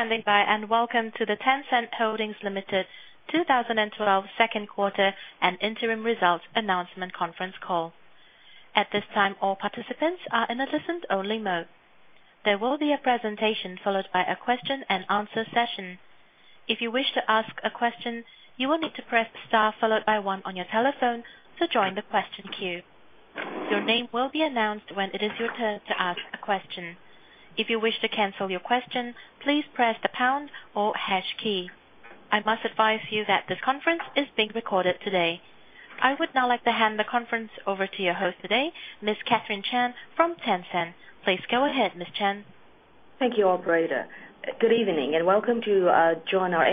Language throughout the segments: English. Thank you for standing by, welcome to the Tencent Holdings Limited 2012 second quarter and interim results announcement conference call. At this time, all participants are in a listen-only mode. There will be a presentation followed by a question and answer session. If you wish to ask a question, you will need to press star followed by one on your telephone to join the question queue. Your name will be announced when it is your turn to ask a question. If you wish to cancel your question, please press the pound or hash key. I must advise you that this conference is being recorded today. I would now like to hand the conference over to your host today, Ms. Catherine Chan from Tencent. Please go ahead, Ms. Chan. Thank you, operator. Good evening, welcome to join our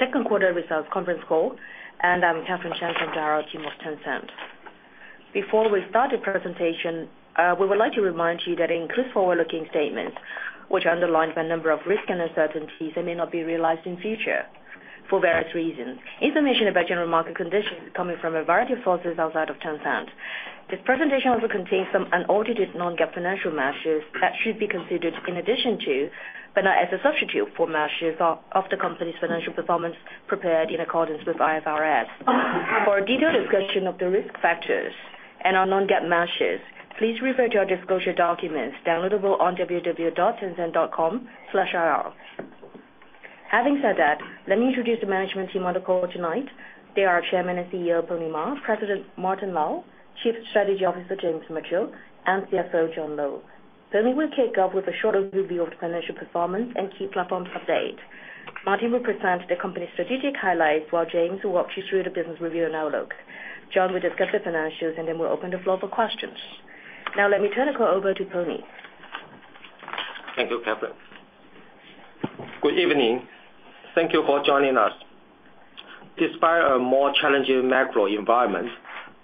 second quarter results conference call. I'm Catherine Chan from the IR team of Tencent. Before we start the presentation, we would like to remind you that it includes forward-looking statements, which are underlined by a number of risks and uncertainties that may not be realized in future for various reasons. Information about general market conditions is coming from a variety of sources outside of Tencent. This presentation also contains some unaudited non-GAAP financial measures that should be considered in addition to, but not as a substitute for, measures of the company's financial performance prepared in accordance with IFRS. For a detailed discussion of the risk factors and our non-GAAP measures, please refer to our disclosure documents downloadable on www.tencent.com/IR. Having said that, let me introduce the management team on the call tonight. They are Chairman and CEO, Pony Ma, President Martin Lau, Chief Strategy Officer James Mitchell, and CFO John Lo. Pony will kick off with a short overview of the financial performance and key platforms update. Martin will present the company's strategic highlights, while James will walk you through the business review and outlook. John will discuss the financials, and then we'll open the floor for questions. Now let me turn the call over to Pony. Thank you, Catherine. Good evening. Thank you for joining us. Despite a more challenging macro environment,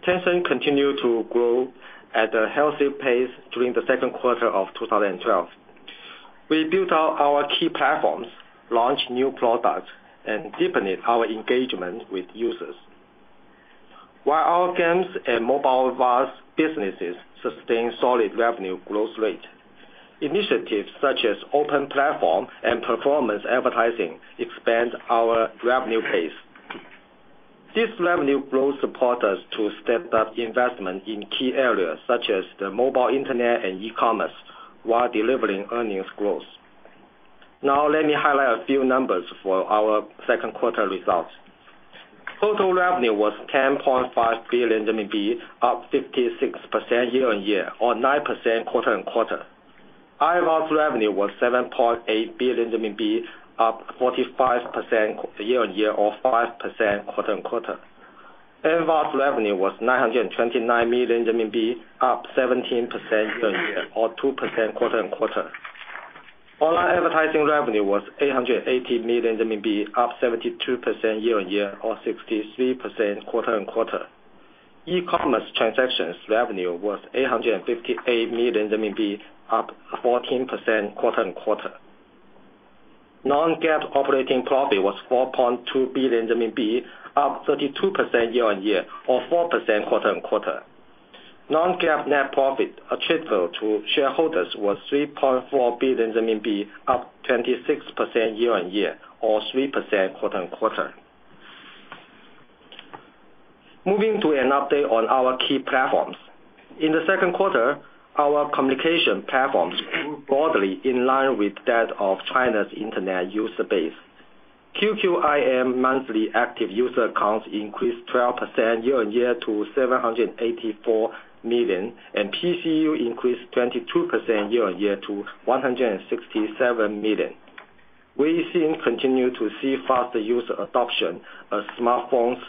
Tencent continued to grow at a healthy pace during the second quarter of 2012. We built out our key platforms, launched new products, and deepened our engagement with users. While our games and mobile ads businesses sustained solid revenue growth rate, initiatives such as open platform and performance advertising expand our revenue base. This revenue growth support us to step up investment in key areas such as the mobile internet and e-commerce while delivering earnings growth. Now let me highlight a few numbers for our second quarter results. Total revenue was 10.5 billion RMB, up 56% year-on-year or 9% quarter-on-quarter. IVAS revenue was 7.8 billion RMB, up 45% year-on-year or 5% quarter-on-quarter. IVAS revenue was 929 million RMB, up 17% year-on-year or 2% quarter-on-quarter. Online advertising revenue was 880 million RMB, up 72% year-on-year or 63% quarter-on-quarter. E-commerce transactions revenue was 858 million RMB, up 14% quarter-on-quarter. Non-GAAP operating profit was 4.2 billion RMB, up 32% year-on-year or 4% quarter-on-quarter. Non-GAAP net profit attributable to shareholders was 3.4 billion RMB, up 26% year-on-year or 3% quarter-on-quarter. Moving to an update on our key platforms. In the second quarter, our communication platforms grew broadly in line with that of China's internet user base. QQ IM monthly active user accounts increased 12% year-on-year to 784 million, and PCU increased 22% year-on-year to 167 million. Weixin continue to see faster user adoption as smartphones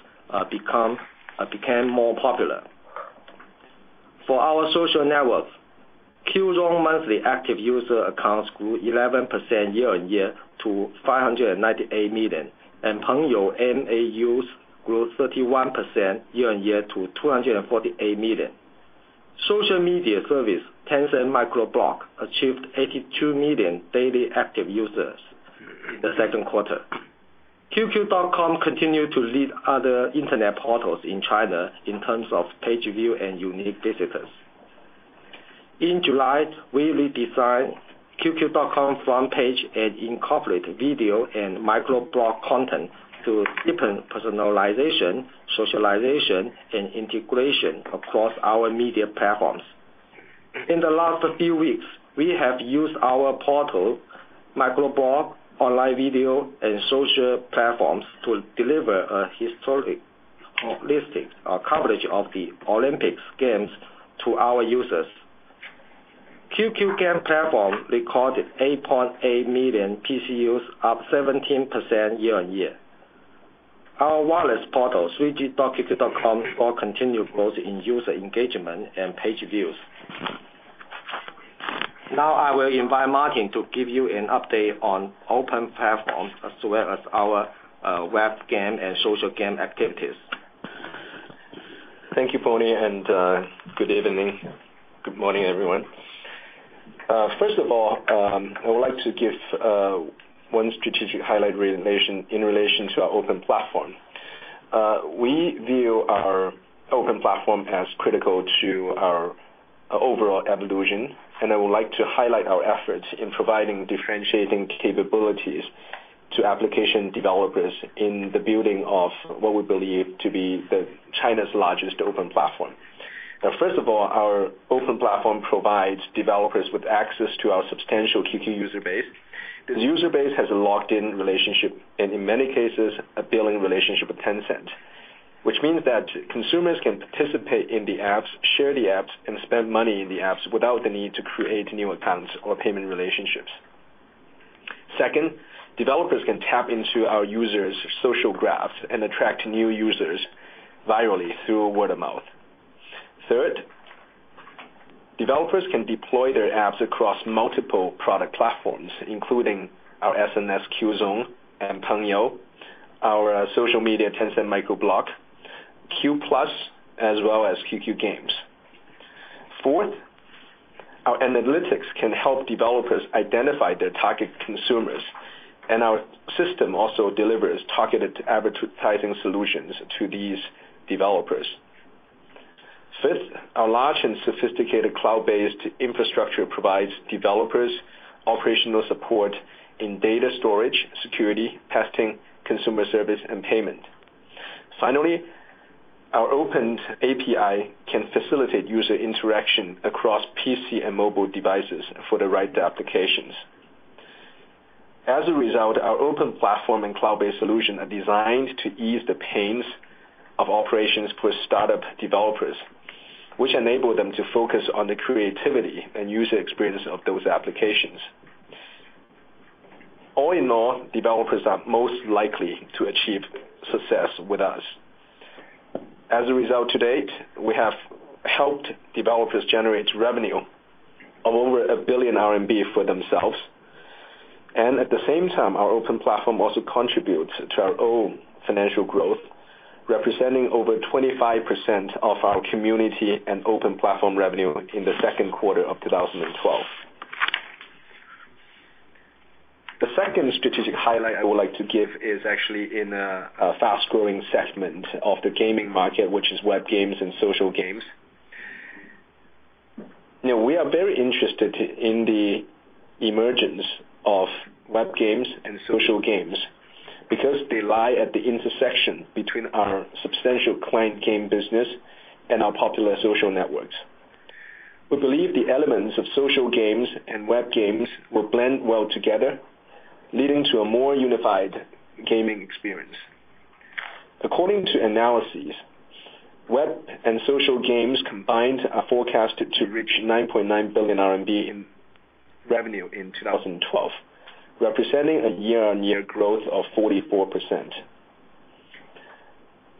became more popular. For our social networks, Qzone monthly active user accounts grew 11% year-on-year to 598 million, and Pengyou MAUs grew 31% year-on-year to 248 million. Social media service, Tencent MicroBlog, achieved 82 million daily active users in the second quarter. qq.com continued to lead other internet portals in China in terms of page view and unique visitors. In July, we redesigned qq.com front page and incorporate video and microblog content to deepen personalization, socialization, and integration across our media platforms. In the last few weeks, we have used our portal, microblog, online video, and social platforms to deliver a historic listing coverage of the Olympic Games to our users. QQ game platform recorded 8.8 million PCUs, up 17% year-on-year. Our wireless portal, 3g.qq.com, saw continued growth in user engagement and page views. I will invite Martin to give you an update on open platforms, as well as our web game and social game activities. Thank you, Pony, good evening. Good morning, everyone. First of all, I would like to give one strategic highlight in relation to our open platform We view our open platform as critical to our overall evolution. I would like to highlight our efforts in providing differentiating capabilities to application developers in the building of what we believe to be China's largest open platform. First of all, our open platform provides developers with access to our substantial QQ user base. This user base has a locked-in relationship, and in many cases, a billing relationship with Tencent, which means that consumers can participate in the apps, share the apps, and spend money in the apps without the need to create new accounts or payment relationships. Second, developers can tap into our users' social graphs and attract new users virally through word of mouth. Third, developers can deploy their apps across multiple product platforms, including our SNS Qzone and Pengyou, our social media, Tencent Microblog, QPlus, as well as QQ Games. Fourth, our analytics can help developers identify their target consumers. Our system also delivers targeted advertising solutions to these developers. Fifth, our large and sophisticated cloud-based infrastructure provides developers operational support in data storage, security, testing, consumer service, and payment. Finally, our open API can facilitate user interaction across PC and mobile devices for the right applications. As a result, our open platform and cloud-based solution are designed to ease the pains of operations for startup developers, growth, representing over 25% of our community and open platform revenue in the second quarter of 2012. The second strategic highlight I would like to give is actually in a fast-growing segment of the gaming market, which is web games and social games. Now, we are very interested in the emergence of web games and social games because they lie at the intersection between our substantial client game business and our popular social networks. We believe the elements of social games and web games will blend well together, leading to a more unified gaming experience. According to Analysys, web and social games combined are forecasted to reach 9.9 billion RMB in revenue in 2012, representing a year-on-year growth of 44%.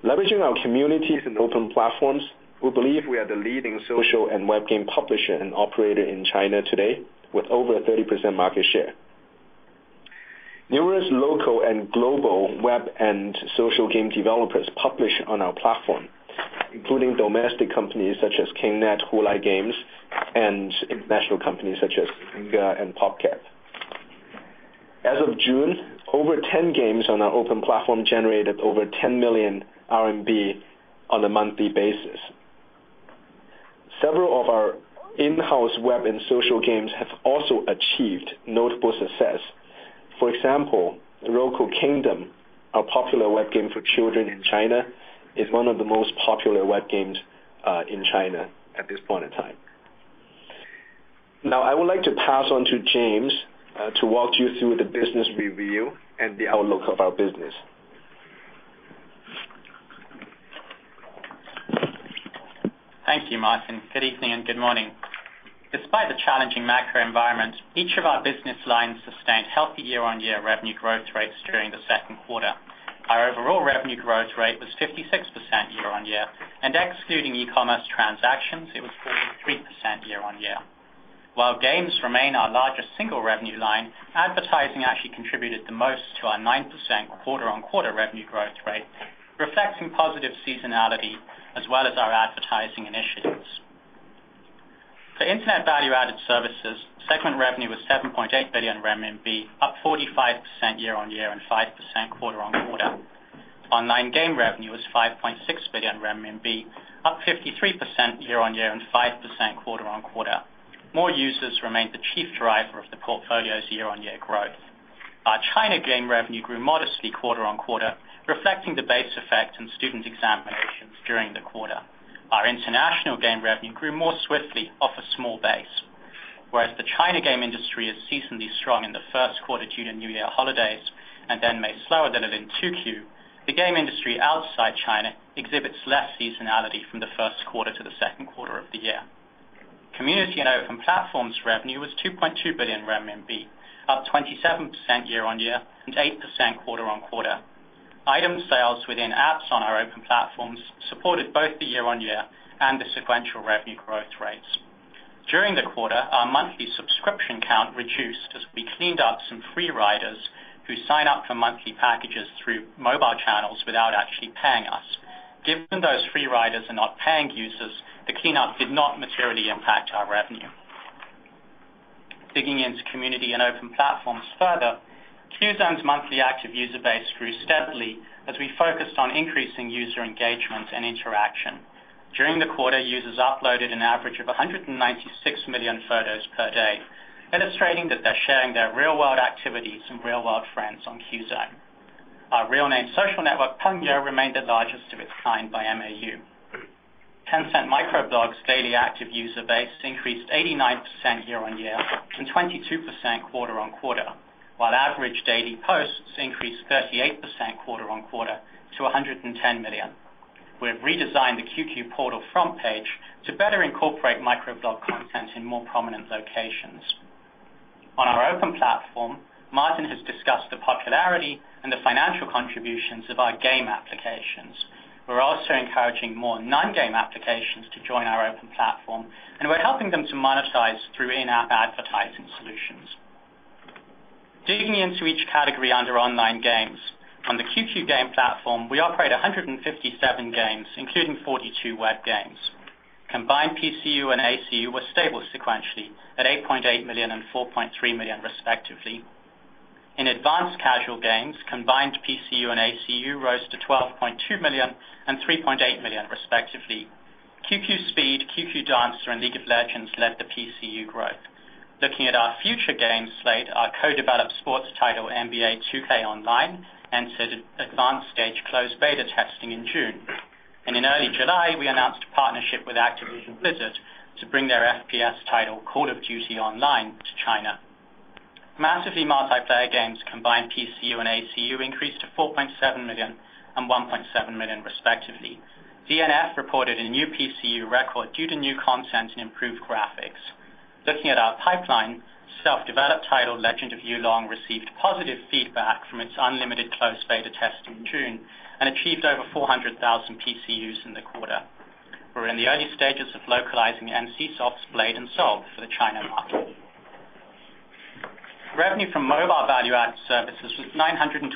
Leveraging our communities and open platforms, we believe we are the leading social and web game publisher and operator in China today, with over 30% market share. Numerous local and global web and social game developers publish on our platform, including domestic companies such as Kingnet, Hulai Games, and international companies such as Zynga and PopCap. As of June, over 10 games on our open platform generated over 10 million RMB on a monthly basis. Several of our in-house web and social games have also achieved notable success. For example, Roco Kingdom, a popular web game for children in China, is one of the most popular web games in China at this point in time. I would like to pass on to James to walk you through the business review and the outlook of our business. Thank you, Martin. Good evening and good morning. Despite the challenging macro environment, each of our business lines sustained healthy year-on-year revenue growth rates during the second quarter. Our overall revenue growth rate was 56% year-on-year, and excluding e-commerce transactions, it was 43% year-on-year. While games remain our largest single revenue line, advertising actually contributed the most to our 9% quarter-on-quarter revenue growth rate, reflecting positive seasonality as well as our advertising initiatives. For Internet value-added services, segment revenue was 7.8 billion RMB, up 45% year-on-year and 5% quarter-on-quarter. Online game revenue was 5.6 billion RMB, up 53% year-on-year and 5% quarter-on-quarter. More users remained the chief driver of the portfolio's year-on-year growth. Our China game revenue grew modestly quarter-on-quarter, reflecting the base effect and student examinations during the quarter. Our international game revenue grew more swiftly off a small base. The China game industry is seasonally strong in the first quarter due to New Year holidays and then may slower than in 2Q, the game industry outside China exhibits less seasonality from the first quarter to the second quarter of the year. Community and open platforms revenue was 2.2 billion RMB, up 27% year-on-year and 8% quarter-on-quarter. Item sales within apps on our open platforms supported both the year-on-year and the sequential revenue growth rates. During the quarter, our monthly subscription count reduced as we cleaned up some free riders who sign up for monthly packages through mobile channels without actually paying us. Given those free riders are not paying users, the cleanup did not materially impact our revenue. Digging into community and open platforms further, Qzone's monthly active user base grew steadily as we focused on increasing user engagement and interaction. During the quarter, users uploaded an average of 196 million photos per day, illustrating that they are sharing their real-world activities with real-world friends on Qzone. Our real-name social network, Pengyou, remained the largest of its kind by MAU. Tencent Weibo's daily active user base increased 89% year-on-year and 22% quarter-on-quarter, while average daily posts increased 38% quarter-on-quarter to 110 million. We have redesigned the QQ portal front page to better incorporate microblog content in more prominent locations. On our open platform, Martin has discussed the popularity and the financial contributions of our game applications. We are also encouraging more non-game applications to join our open platform, and we are helping them to monetize through in-app advertising solutions. Digging into each category under online games, on the QQ game platform, we operate 157 games, including 42 web games. Combined PCU and ACU were stable sequentially at 8.8 million and 4.3 million, respectively. In advanced casual games, combined PCU and ACU rose to 12.2 million and 3.8 million, respectively. QQ Speed, QQ Dance, and League of Legends led the PCU growth. Looking at our future game slate, our co-developed sports title, NBA 2K Online, entered advanced stage closed beta testing in June. In early July, we announced a partnership with Activision Blizzard to bring their FPS title, Call of Duty Online, to China. Massively multiplayer games combined PCU and ACU increased to 4.7 million and 1.7 million, respectively. DNF reported a new PCU record due to new content and improved graphics. Looking at our pipeline, self-developed title, Legend of Yulong, received positive feedback from its unlimited closed beta test in June and achieved over 400,000 PCUs in the quarter. We are in the early stages of localizing NCSoft's Blade & Soul for the China market. Revenue from mobile value-added services was 929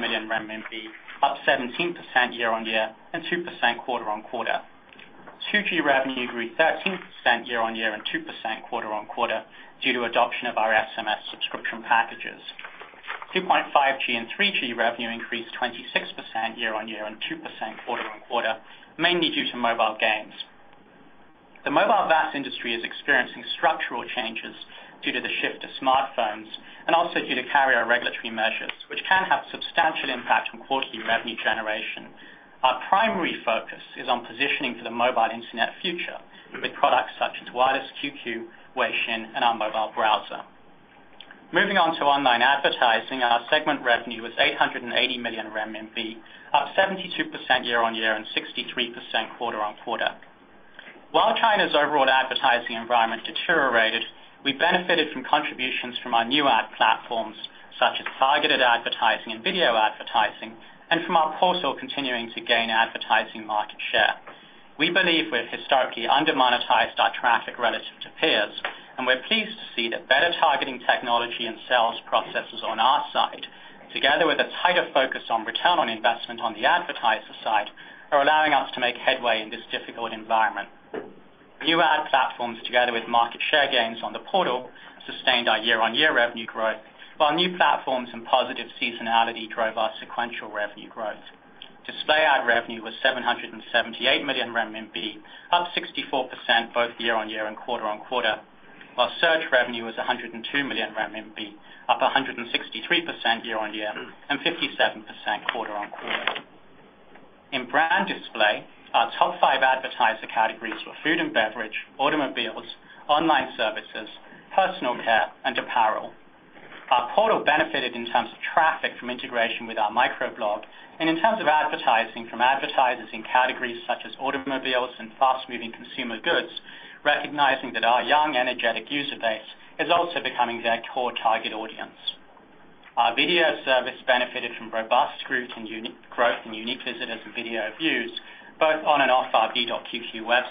million renminbi, up 17% year-on-year and 2% quarter-on-quarter. 2G revenue grew 13% year-on-year and 2% quarter-on-quarter due to adoption of our SMS subscription packages. 2.5G and 3G revenue increased 26% year-on-year and 2% quarter-on-quarter, mainly due to mobile games. The mobile VAS industry is experiencing structural changes due to the shift to smartphones and also due to carrier regulatory measures, which can have substantial impact on quarterly revenue generation. Our primary focus is on positioning for the mobile internet future with products such as Wireless QQ, Weixin, and our mobile browser. Moving on to online advertising, our segment revenue was 880 million RMB, up 72% year-on-year and 63% quarter-on-quarter. While China's overall advertising environment deteriorated, we benefited from contributions from our new ad platforms, such as targeted advertising and video advertising, and from our portal continuing to gain advertising market share. We believe we have historically under-monetized our traffic relative to peers, and we are pleased to see that better targeting technology and sales processes on our side, together with a tighter focus on return on investment on the advertiser side, are allowing us to make headway in this difficult environment. New ad platforms together with market share gains on the portal sustained our year-on-year revenue growth, while new platforms and positive seasonality drove our sequential revenue growth. Display ad revenue was 778 million renminbi, up 64% both year-on-year and quarter-on-quarter, while search revenue was 102 million RMB, up 163% year-on-year and 57% quarter-on-quarter. In brand display, our top five advertiser categories were food and beverage, automobiles, online services, personal care, and apparel. Our portal benefited in terms of traffic from integration with our microblog and in terms of advertising from advertisers in categories such as automobiles and fast-moving consumer goods, recognizing that our young, energetic user base is also becoming their core target audience. Our video service benefited from robust growth in unique visitors and video views both on and off our v.qq.com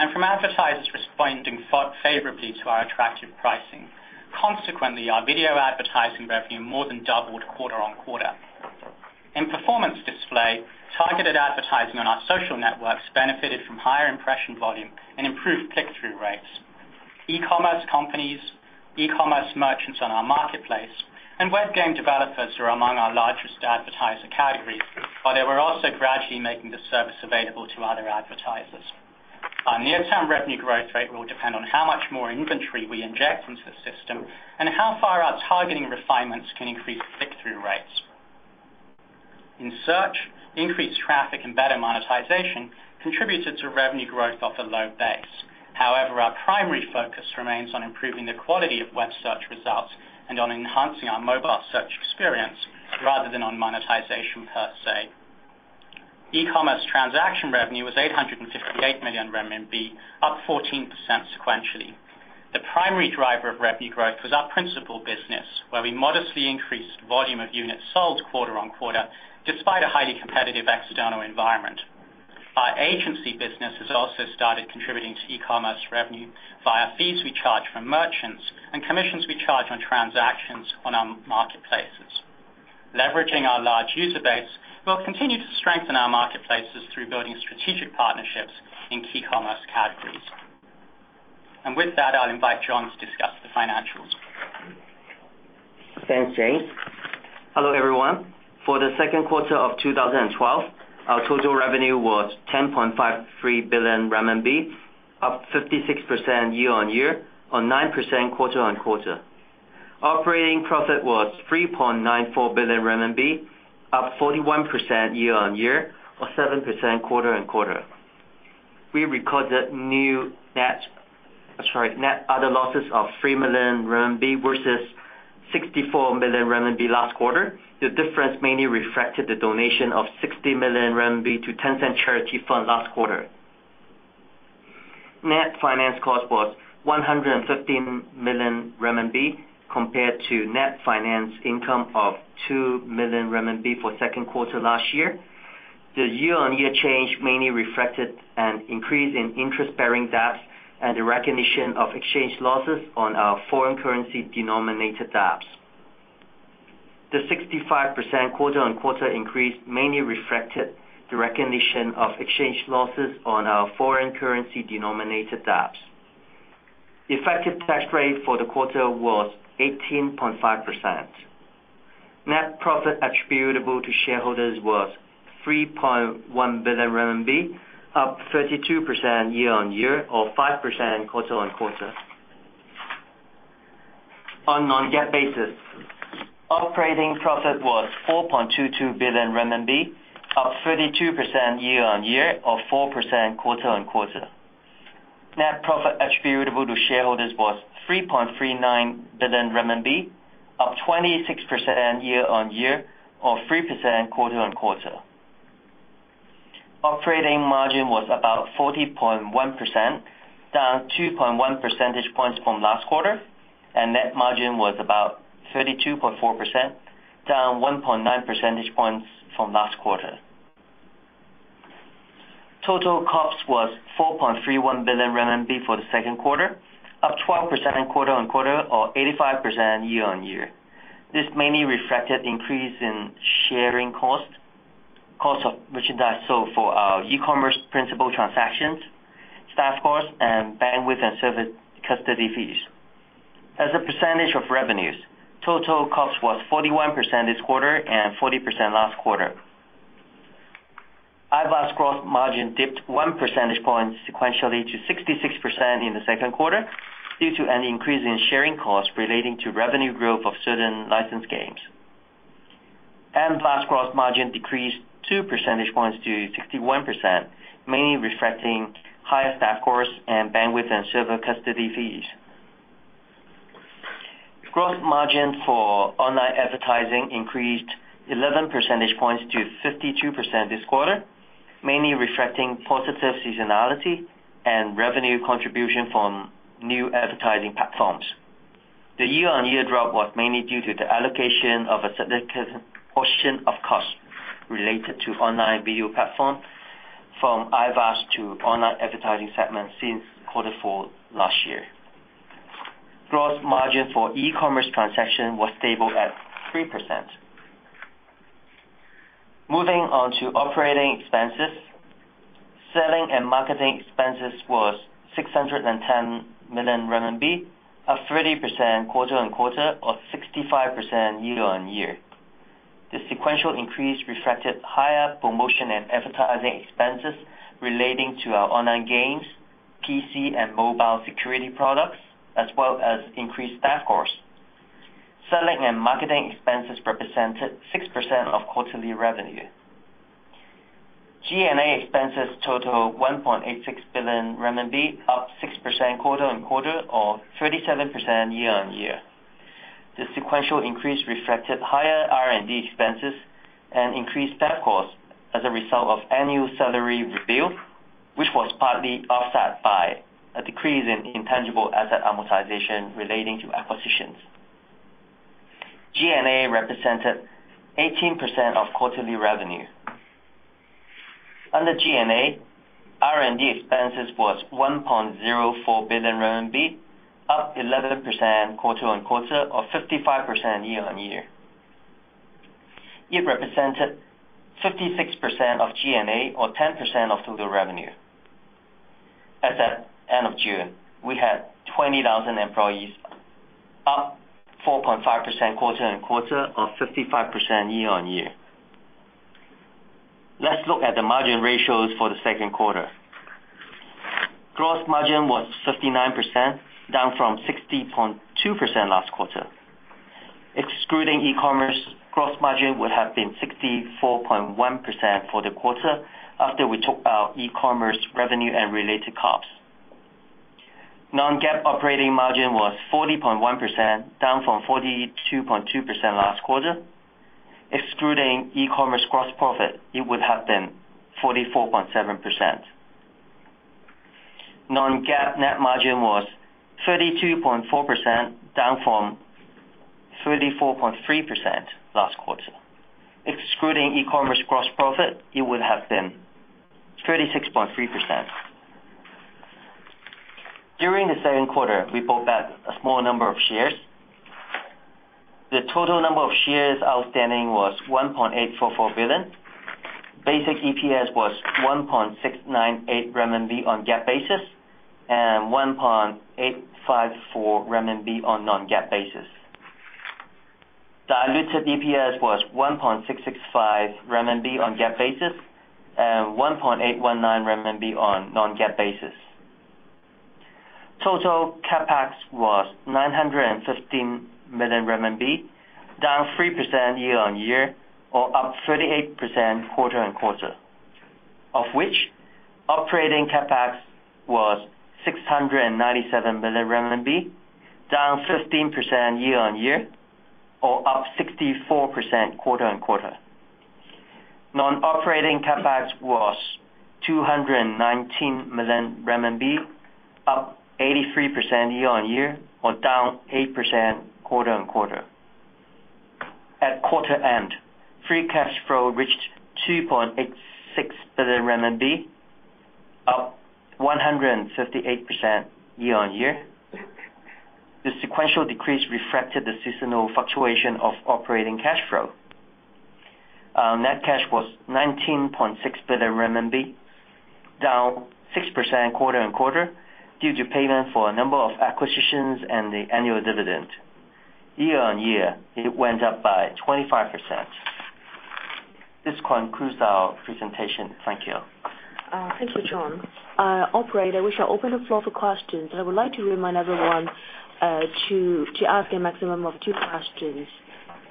and from advertisers responding favorably to our attractive pricing. Consequently, our video advertising revenue more than doubled quarter-on-quarter. In performance display, targeted advertising on our social networks benefited from higher impression volume and improved click-through rates. E-commerce companies, e-commerce merchants on our marketplace, and web game developers are among our largest advertiser categories, while they were also gradually making the service available to other advertisers. Our near-term revenue growth rate will depend on how much more inventory we inject into the system and how far our targeting refinements can increase click-through rates. In search, increased traffic and better monetization contributed to revenue growth off a low base. However, our primary focus remains on improving the quality of web search results and on enhancing our mobile search experience rather than on monetization per se. E-commerce transaction revenue was 858 million renminbi, up 14% sequentially. The primary driver of revenue growth was our principal business, where we modestly increased volume of units sold quarter-on-quarter despite a highly competitive external environment. Our agency business has also started contributing to e-commerce revenue via fees we charge from merchants and commissions we charge on transactions on our marketplace. Leveraging our large user base, we'll continue to strengthen our marketplaces through building strategic partnerships in key commerce categories. With that, I'll invite John to discuss the financials. Thanks, James. Hello, everyone. For the second quarter of 2012, our total revenue was 10.53 billion RMB, up 56% year-on-year or 9% quarter-on-quarter. Operating profit was 3.94 billion RMB, up 41% year-on-year or 7% quarter-on-quarter. We recorded net other losses of 3 million RMB versus 64 million RMB last quarter. The difference mainly reflected the donation of 60 million RMB to Tencent Charity Foundation last quarter. Net finance cost was 115 million RMB compared to net finance income of 2 million RMB for second quarter last year. The year-on-year change mainly reflected an increase in interest-bearing debts and the recognition of exchange losses on our foreign currency denominated debts. The 65% quarter-on-quarter increase mainly reflected the recognition of exchange losses on our foreign currency denominated debts. Effective tax rate for the quarter was 18.5%. Net profit attributable to shareholders was 3.1 billion RMB, up 32% year-on-year or 5% quarter-on-quarter. On non-GAAP basis, operating profit was 4.22 billion renminbi, up 32% year-over-year or 4% quarter-over-quarter. Net profit attributable to shareholders was 3.39 billion RMB, up 26% year-over-year or 3% quarter-over-quarter. Operating margin was about 40.1%, down 2.1 percentage points from last quarter, and net margin was about 32.4%, down 1.9 percentage points from last quarter. Total cost was 4.31 billion RMB for the second quarter, up 12% quarter-over-quarter or 85% year-over-year. This mainly reflected increase in sharing cost of merchandise sold for our e-commerce principal transactions, staff cost, and bandwidth and server custody fees. As a percentage of revenues, total cost was 41% this quarter and 40% last quarter. IVAS gross margin dipped one percentage point sequentially to 66% in the second quarter due to an increase in sharing costs relating to revenue growth of certain licensed games. MVAS gross margin decreased two percentage points to 61%, mainly reflecting higher staff costs and bandwidth and server custody fees. Gross margin for online advertising increased 11 percentage points to 52% this quarter, mainly reflecting positive seasonality and revenue contribution from new advertising platforms. The year-over-year drop was mainly due to the allocation of a significant portion of cost related to online video platform from IVAS to online advertising segment since quarter four last year. Gross margin for e-commerce transaction was stable at 3%. Moving on to operating expenses. Selling and marketing expenses was 610 million RMB, up 30% quarter-over-quarter or 65% year-over-year. The sequential increase reflected higher promotion and advertising expenses relating to our online games, PC and mobile security products, as well as increased staff costs. Selling and marketing expenses represented 6% of quarterly revenue. G&A expenses total 1.86 billion RMB, up 6% quarter-over-quarter or 37% year-over-year. The sequential increase reflected higher R&D expenses and increased staff costs as a result of annual salary review, which was partly offset by a decrease in intangible asset amortization relating to acquisitions. G&A represented 18% of quarterly revenue. Under G&A, R&D expenses was 1.04 billion RMB, up 11% quarter-over-quarter or 55% year-over-year. It represented 56% of G&A or 10% of total revenue. As at end of June, we had 20,000 employees, up 4.5% quarter-over-quarter or 55% year-over-year. Let's look at the margin ratios for the second quarter. Gross margin was 59%, down from 60.2% last quarter. Excluding e-commerce, gross margin would have been 64.1% for the quarter after we took our e-commerce revenue and related costs. Non-GAAP operating margin was 40.1%, down from 42.2% last quarter. Excluding e-commerce gross profit, it would have been 44.7%. Non-GAAP net margin was 32.4%, down from 34.3% last quarter. Excluding e-commerce gross profit, it would have been 36.3%. During the second quarter, we bought back a small number of shares. The total number of shares outstanding was 1.844 billion. Basic EPS was 1.698 renminbi on GAAP basis and 1.854 renminbi on non-GAAP basis. Diluted EPS was 1.665 renminbi on GAAP basis and 1.819 renminbi on non-GAAP basis. Total CapEx was 915 million renminbi, down 3% year-on-year or up 38% quarter-on-quarter. Of which operating CapEx was 697 million RMB, down 15% year-on-year or up 64% quarter-on-quarter. Non-operating CapEx was RMB 219 million, up 83% year-on-year or down 8% quarter-on-quarter. At quarter end, free cash flow reached 2.86 billion RMB, up 158% year-on-year. The sequential decrease reflected the seasonal fluctuation of operating cash flow. Net cash was 19.6 billion RMB, down 6% quarter-on-quarter due to payment for a number of acquisitions and the annual dividend. Year-on-year, it went up by 25%. This concludes our presentation. Thank you. Thank you, John. Operator, we shall open the floor for questions. I would like to remind everyone to ask a maximum of two questions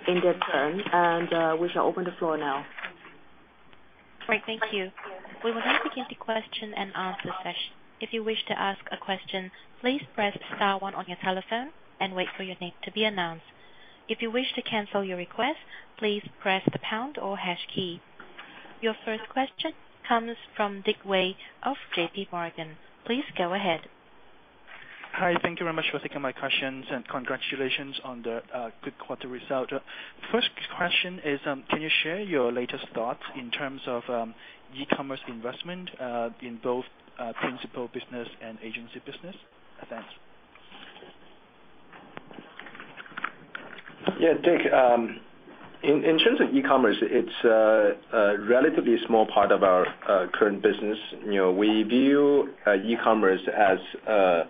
in their turn. We shall open the floor now. Great. Thank you. We will now begin the question and answer session. If you wish to ask a question, please press star one on your telephone and wait for your name to be announced. If you wish to cancel your request, please press the pound or hash key. Your first question comes from Dick Wei of JPMorgan. Please go ahead. Hi. Thank you very much for taking my questions. Congratulations on the good quarter result. First question is, can you share your latest thoughts in terms of e-commerce investment in both principal business and agency business? Thanks. Yeah, Dick. In terms of e-commerce, it is a relatively small part of our current business. We view e-commerce as a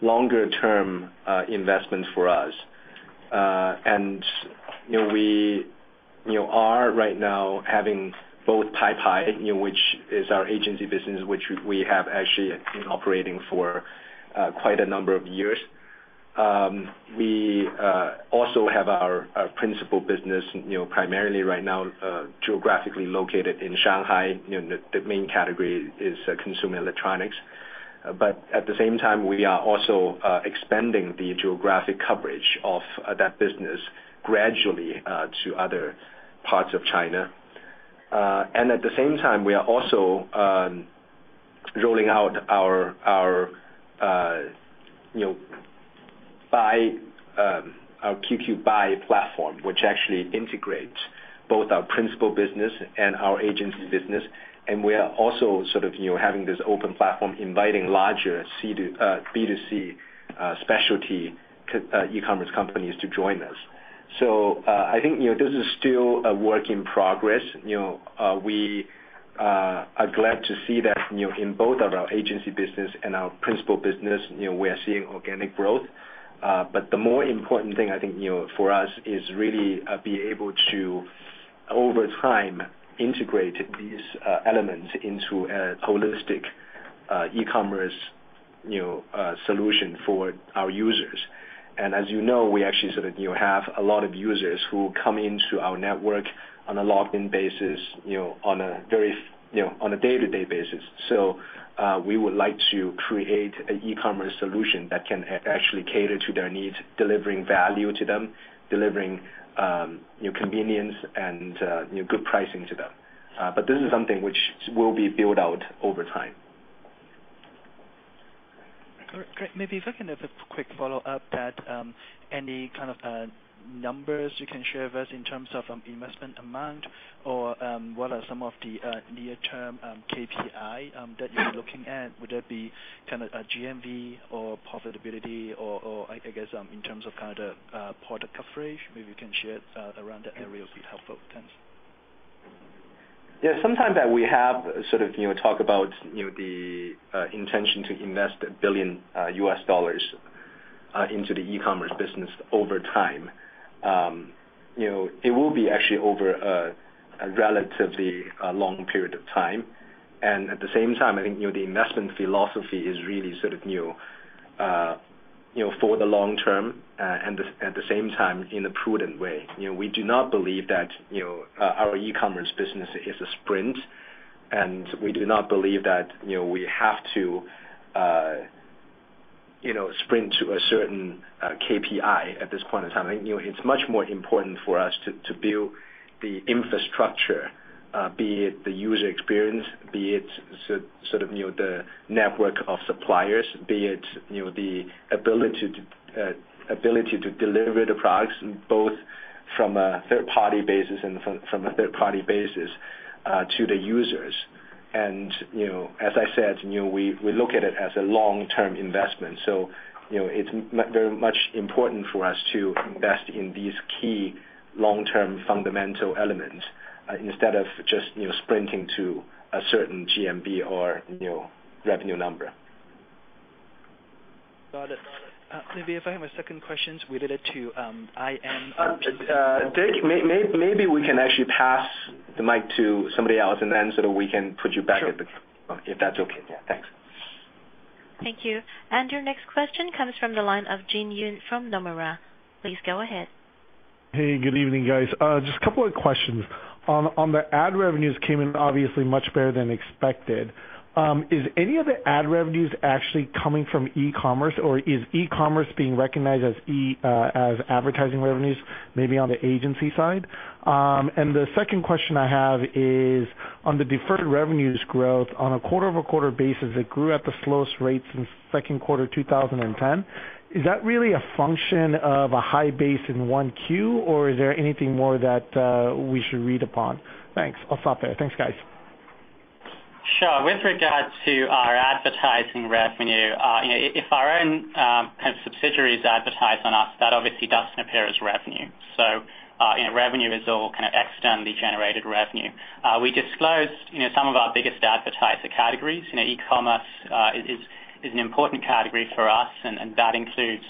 longer-term investment for us. We are right now having both Paipai, which is our agency business, which we have actually been operating for quite a number of years. We also have our principal business primarily right now geographically located in Shanghai. The main category is consumer electronics. At the same time, we are also expanding the geographic coverage of that business gradually to other parts of China. At the same time, we are also rolling out our QQ Buy platform, which actually integrates both our principal business and our agency business. We are also sort of having this open platform inviting larger B2C specialty e-commerce companies to join us. I think this is still a work in progress. We are glad to see that in both our agency business and our principal business, we are seeing organic growth. The more important thing I think for us is really be able to, over time, integrate these elements into a holistic e-commerce solution for our users. As you know, we actually sort of have a lot of users who come into our network on a logged-in basis, on a day-to-day basis. We would like to create an e-commerce solution that can actually cater to their needs, delivering value to them, delivering convenience and good pricing to them. This is something which will be built out over time. Great. Maybe if I can have a quick follow-up that any kind of numbers you can share with us in terms of investment amount, or what are some of the near-term KPI that you will be looking at? Would that be kind of a GMV or profitability or I guess in terms of kind of the product coverage, maybe you can share around that area would be helpful. Thanks. Yeah. Sometimes we have sort of talk about the intention to invest $1 billion US dollars into the e-commerce business over time. It will be actually over a relatively long period of time. At the same time, I think the investment philosophy is really sort of for the long term, and at the same time, in a prudent way. We do not believe that our e-commerce business is a sprint, and we do not believe that we have to sprint to a certain KPI at this point in time. It is much more important for us to build the infrastructure, be it the user experience, be it sort of the network of suppliers, be it the ability to deliver the products both From a third-party basis and from a third-party basis to the users. As I said, we look at it as a long-term investment. It's very much important for us to invest in these key long-term fundamental elements instead of just sprinting to a certain GMV or revenue number. Got it. Maybe if I have a second question related to IM- Dick, maybe we can actually pass the mic to somebody else, and then sort of we can put you back if that's okay. Yeah, thanks. Thank you. Your next question comes from the line of Jin Yoon from Nomura. Please go ahead. Hey, good evening, guys. Just a couple of questions. On the ad revenues came in obviously much better than expected. Is any of the ad revenues actually coming from e-commerce, or is e-commerce being recognized as advertising revenues, maybe on the agency side? The second question I have is on the deferred revenues growth on a quarter-over-quarter basis, it grew at the slowest rate since second quarter 2010. Is that really a function of a high base in 1Q, or is there anything more that we should read upon? Thanks. I'll stop there. Thanks, guys. Sure. With regard to our advertising revenue, if our own kind of subsidiaries advertise on us, that obviously doesn't appear as revenue. Revenue is all kind of externally generated revenue. We disclosed some of our biggest advertiser categories. E-commerce is an important category for us, and that includes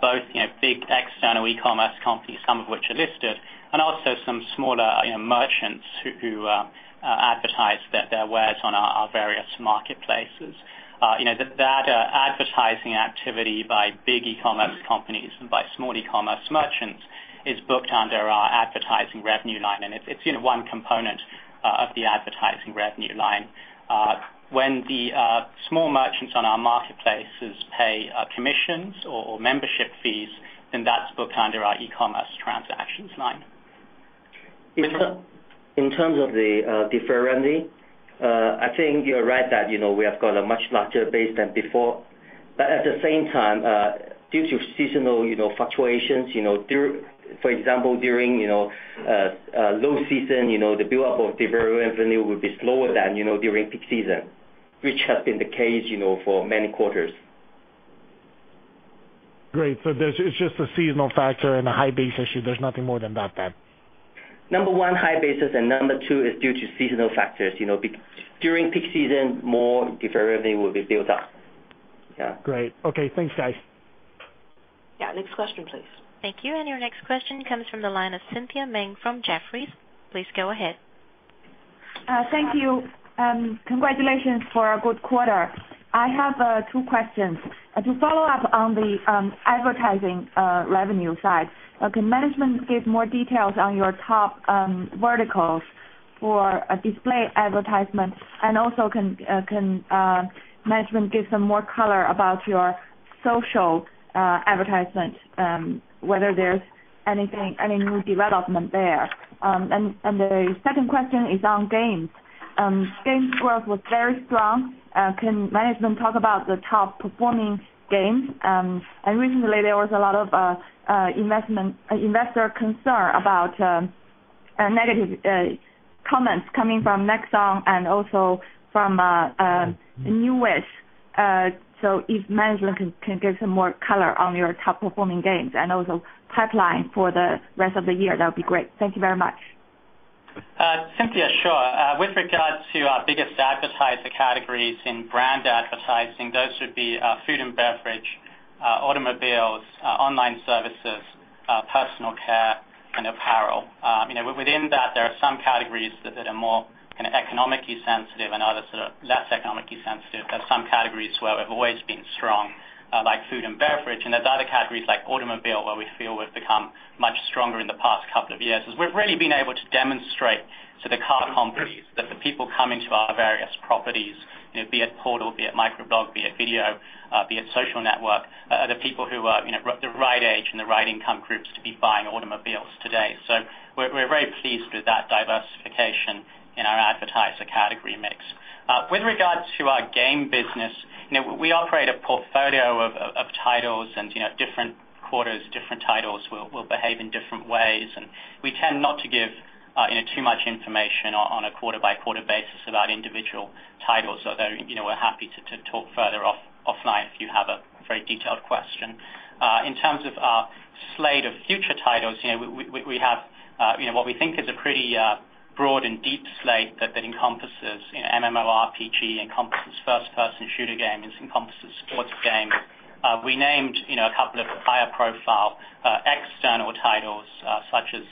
both big external e-commerce companies, some of which are listed, and also some smaller merchants who advertise their wares on our various marketplaces. That advertising activity by big e-commerce companies and by small e-commerce merchants is booked under our advertising revenue line, and it's one component of the advertising revenue line. When the small merchants on our marketplaces pay commissions or membership fees, that's booked under our e-commerce transactions line. In terms of the deferred revenue, I think you're right that we have got a much larger base than before. At the same time, due to seasonal fluctuations, for example, during low season, the buildup of deferred revenue will be slower than during peak season, which has been the case for many quarters. Great. It's just a seasonal factor and a high base issue. There's nothing more than that then? Number one, high bases, and number two is due to seasonal factors. During peak season, more deferred revenue will be built up. Yeah. Great. Okay, thanks, guys. Yeah, next question, please. Thank you. Your next question comes from the line of Cynthia Meng from Jefferies. Please go ahead. Thank you. Congratulations for a good quarter. I have two questions. To follow up on the advertising revenue side, can management give more details on your top verticals for display advertisement? Can management give some more color about your social advertisement, whether there's any new development there? The second question is on games. Games growth was very strong. Can management talk about the top-performing games? Recently, there was a lot of investor concern about negative comments coming from Nexon and also from Neowiz. If management can give some more color on your top-performing games and also pipeline for the rest of the year, that would be great. Thank you very much. Cynthia, sure. With regards to our biggest advertiser categories in brand advertising, those would be food and beverage, automobiles, online services, personal care, and apparel. Within that, there are some categories that are more kind of economically sensitive and others that are less economically sensitive. There's some categories where we've always been strong, like food and beverage. There's other categories like automobile, where we feel we've become much stronger in the past couple of years, as we've really been able to demonstrate to the car companies that the people coming to our various properties, be it portal, be it microblog, be it video, be it social network, are the people who are the right age and the right income groups to be buying automobiles today. We're very pleased with that diversification in our advertiser category mix. With regards to our game business, we operate a portfolio of titles, and different quarters, different titles will behave in different ways. We tend not to give too much information on a quarter-by-quarter basis about individual titles, although we're happy to talk further offline if you have a very detailed question. In terms of our slate of future titles, we have what we think is a pretty broad and deep slate that encompasses MMORPG, encompasses first-person shooter games, encompasses sports games. We named a couple of higher profile external titles, such as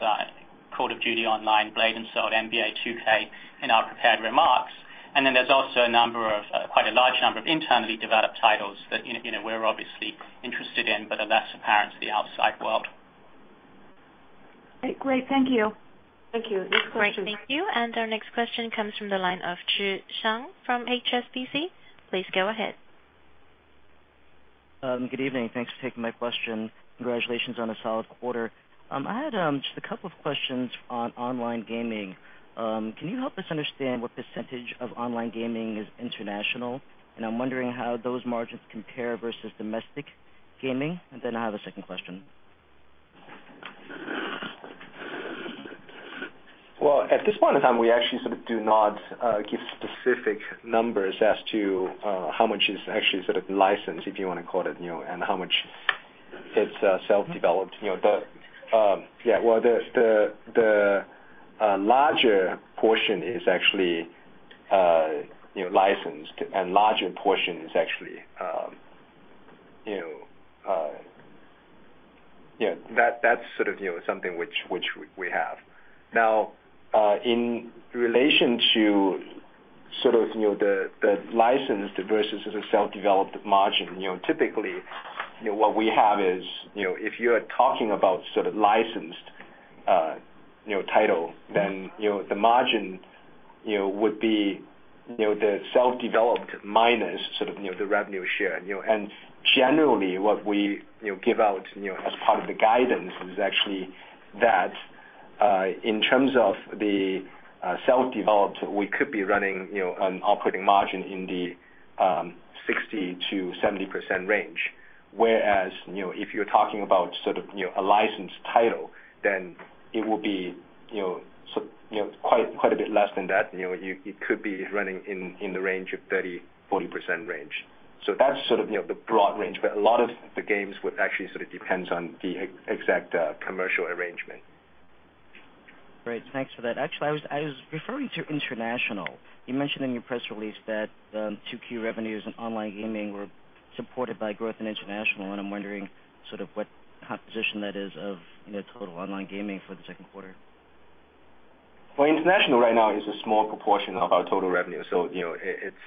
Call of Duty Online, Blade & Soul, NBA 2K in our prepared remarks. There's also quite a large number of internally developed titles that we're obviously interested in, but are less apparent to the outside world. Great. Thank you. Thank you. Next question. Great. Thank you. Our next question comes from the line of Chi Tsang from HSBC. Please go ahead. Good evening. Thanks for taking my question. Congratulations on a solid quarter. I had just a couple of questions on online gaming. Can you help us understand what percentage of online gaming is international? I'm wondering how those margins compare versus domestic gaming. I have a second question. Well, at this point in time, we actually sort of do not give specific numbers as to how much is actually sort of licensed, if you want to call it, and how much is self-developed. The larger portion is actually licensed. That's sort of something which we have. Now, in relation to sort of the licensed versus the self-developed margin, typically, what we have is, if you're talking about sort of licensed title, then the margin would be the self-developed minus sort of the revenue share. Generally, what we give out as part of the guidance is actually that in terms of the self-developed, we could be running an operating margin in the 60%-70% range. Whereas, if you're talking about sort of a licensed title, then it will be quite a bit less than that. It could be running in the range of 30%-40% range. That's sort of the broad range, but a lot of the games would actually sort of depends on the exact commercial arrangement. Great. Thanks for that. Actually, I was referring to international. You mentioned in your press release that 2Q revenues and online gaming were supported by growth in international, I'm wondering sort of what composition that is of net total online gaming for the second quarter. International right now is a small proportion of our total revenue, it's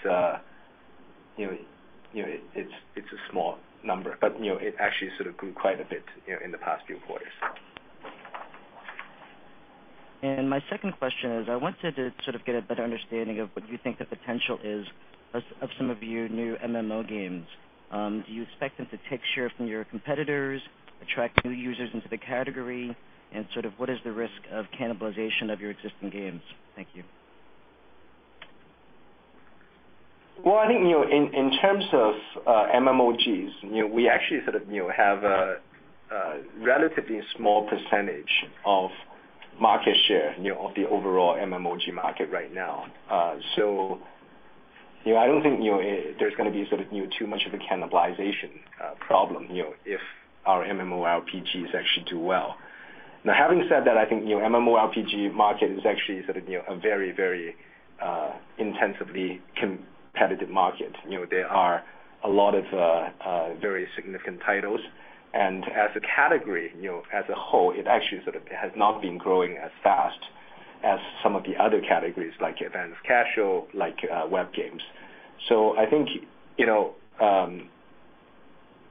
a small number, it actually sort of grew quite a bit in the past few quarters. My second question is, I wanted to sort of get a better understanding of what you think the potential is of some of your new MMO games. Do you expect them to take share from your competitors, attract new users into the category, sort of what is the risk of cannibalization of your existing games? Thank you. Well, I think in terms of MMOGs, we actually sort of have a relatively small percentage of market share of the overall MMOG market right now. I don't think there's going to be sort of too much of a cannibalization problem if our MMORPGs actually do well. Having said that, I think MMORPG market is actually sort of a very intensively competitive market. There are a lot of very significant titles, and as a category, as a whole, it actually sort of has not been growing as fast as some of the other categories like advanced casual, like web games. I think,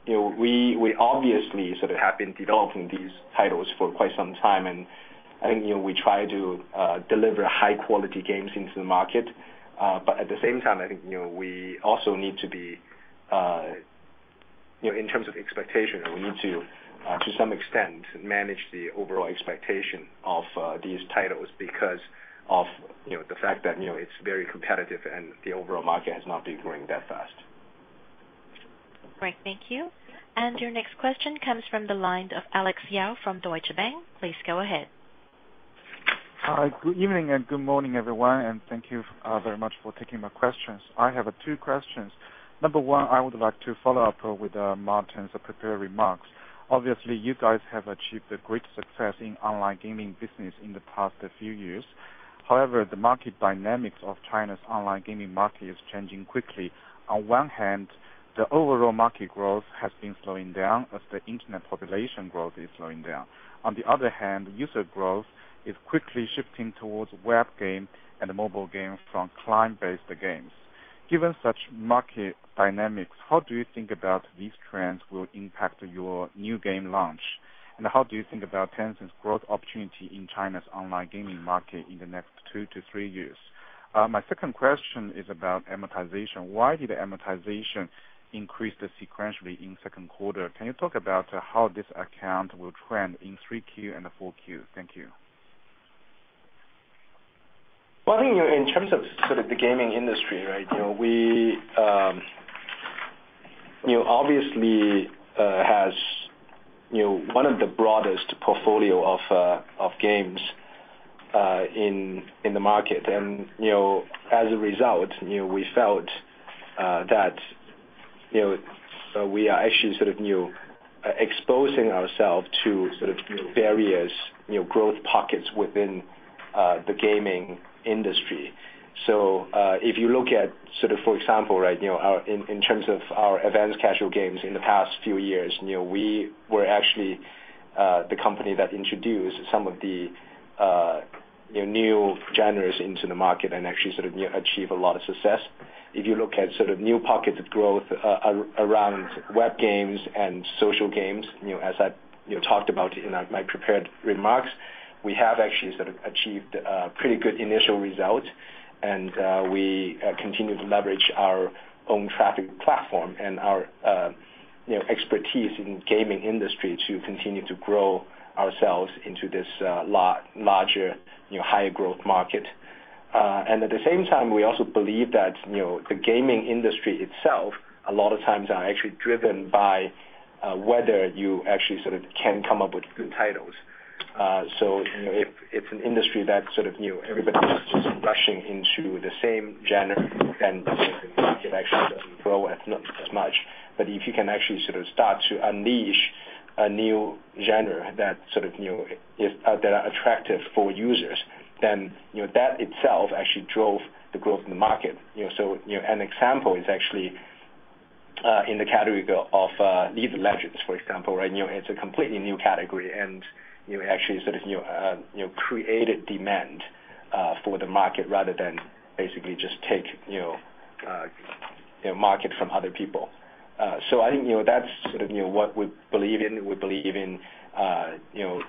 we obviously sort of have been developing these titles for quite some time, and I think we try to deliver high-quality games into the market. At the same time, I think we also need to be, in terms of expectation, we need to some extent manage the overall expectation of these titles because of the fact that it's very competitive and the overall market has not been growing that fast. Great. Thank you. Your next question comes from the line of Alex Yao from Deutsche Bank. Please go ahead. Hi, good evening and good morning, everyone, thank you very much for taking my questions. I have two questions. Number one, I would like to follow up with Martin's prepared remarks. Obviously, you guys have achieved a great success in online gaming business in the past few years. However, the market dynamics of China's online gaming market is changing quickly. On one hand, the overall market growth has been slowing down as the internet population growth is slowing down. On the other hand, user growth is quickly shifting towards web game and mobile game from client-based games. Given such market dynamics, how do you think about these trends will impact your new game launch? How do you think about Tencent's growth opportunity in China's online gaming market in the next two to three years? My second question is about amortization. Why did amortization increase sequentially in second quarter? Can you talk about how this account will trend in 3Q and the 4Q? Thank you. Well, I think in terms of sort of the gaming industry, we obviously has one of the broadest portfolio of games in the market. As a result, we felt that we are actually sort of exposing ourself to sort of various growth pockets within the gaming industry. If you look at sort of, for example, in terms of our advanced casual games in the past few years, we were actually the company that introduced some of the new genres into the market and actually sort of achieve a lot of success. If you look at sort of new pockets of growth around web games and social games, as I talked about in my prepared remarks, we have actually sort of achieved a pretty good initial result, and we continue to leverage our own traffic platform and our expertise in gaming industry to continue to grow ourselves into this larger, higher growth market. At the same time, we also believe that the gaming industry itself, a lot of times are actually driven by whether you actually can come up with good titles. It's an industry that everybody is just rushing into the same genre, and the market actually doesn't grow as much. If you can actually start to unleash a new genre that are attractive for users, then that itself actually drove the growth in the market. An example is actually in the category of League of Legends, for example. It's a completely new category, and actually created demand for the market rather than basically just take market from other people. I think that's what we believe in. We believe in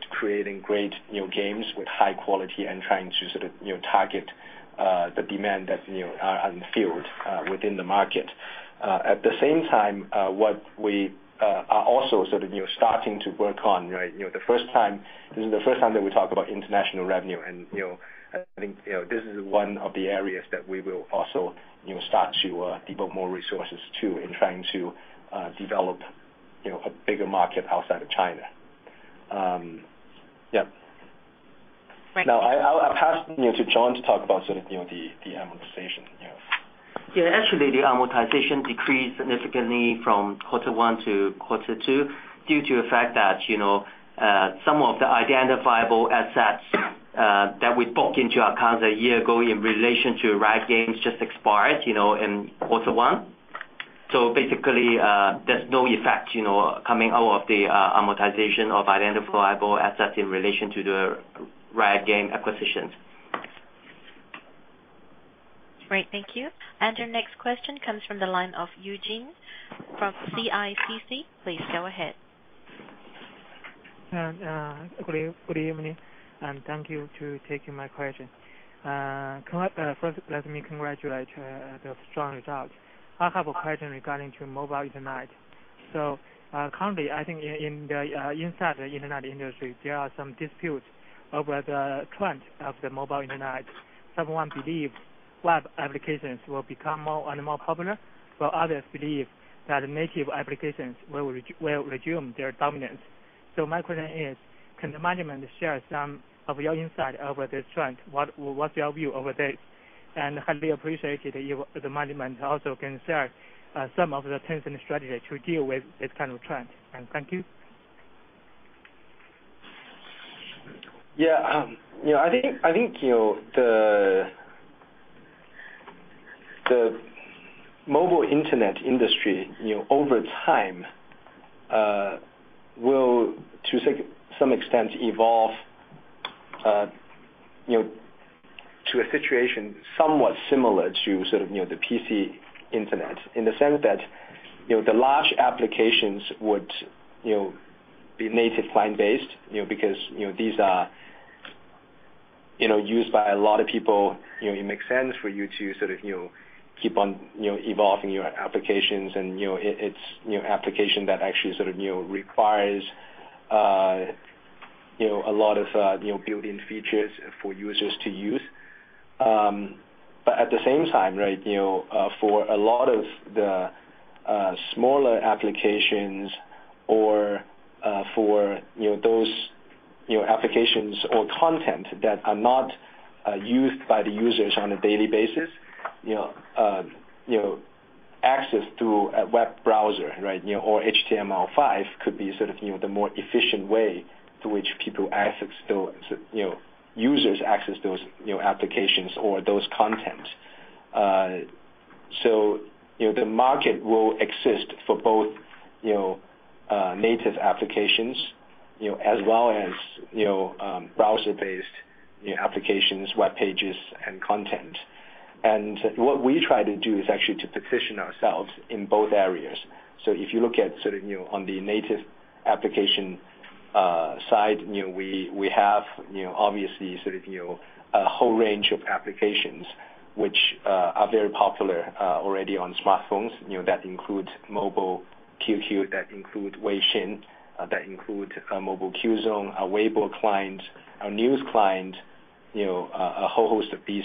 creating great new games with high quality and trying to target the demand that are unfilled within the market. At the same time, what we are also starting to work on, this is the first time that we talk about international revenue, and I think this is one of the areas that we will also start to devote more resources to in trying to develop a bigger market outside of China. Yep. Great. I'll pass to John to talk about the amortization. Actually, the amortization decreased significantly from quarter one to quarter two due to the fact that some of the identifiable assets that we booked into accounts a year ago in relation to Riot Games just expired in quarter one. Basically, there's no effect coming out of the amortization of identifiable assets in relation to the Riot Games acquisitions. Great. Thank you. Your next question comes from the line of Eugene from CICC. Please go ahead. Good evening, thank you to taking my question. First, let me congratulate the strong results. I have a question regarding to mobile internet. Currently, I think inside the internet industry, there are some disputes over the trend of the mobile internet. Some believe web applications will become more and more popular, while others believe that native applications will resume their dominance. My question is, can the management share some of your insight over this trend? What's your view over this? Highly appreciate if the management also can share some of the Tencent strategy to deal with this kind of trend. Thank you. Yeah. I think the mobile internet industry over time will, to some extent, evolve to a situation somewhat similar to the PC internet, in the sense that the large applications would be native client-based, because these are used by a lot of people. It makes sense for you to keep on evolving your applications, and it's application that actually requires a lot of built-in features for users to use. At the same time, for a lot of the smaller applications or for those applications or content that are not used by the users on a daily basis, access to a web browser or HTML5 could be the more efficient way through which users access those applications or those contents. The market will exist for both native applications as well as browser-based applications, web pages, and content. What we try to do is actually to position ourselves in both areas. If you look at on the native application side, we have obviously a whole range of applications which are very popular already on smartphones. That includes Mobile QQ, that include Weixin, that include Mobile Qzone, a Weibo client, a news client, a whole host of these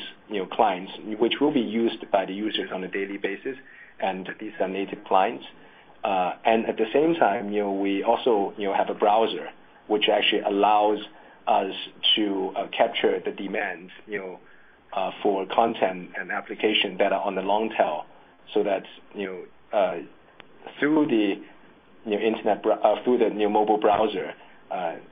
clients, which will be used by the users on a daily basis, and these are native clients. At the same time, we also have a browser, which actually allows us to capture the demand for content and application that are on the long tail, so that through the new mobile browser,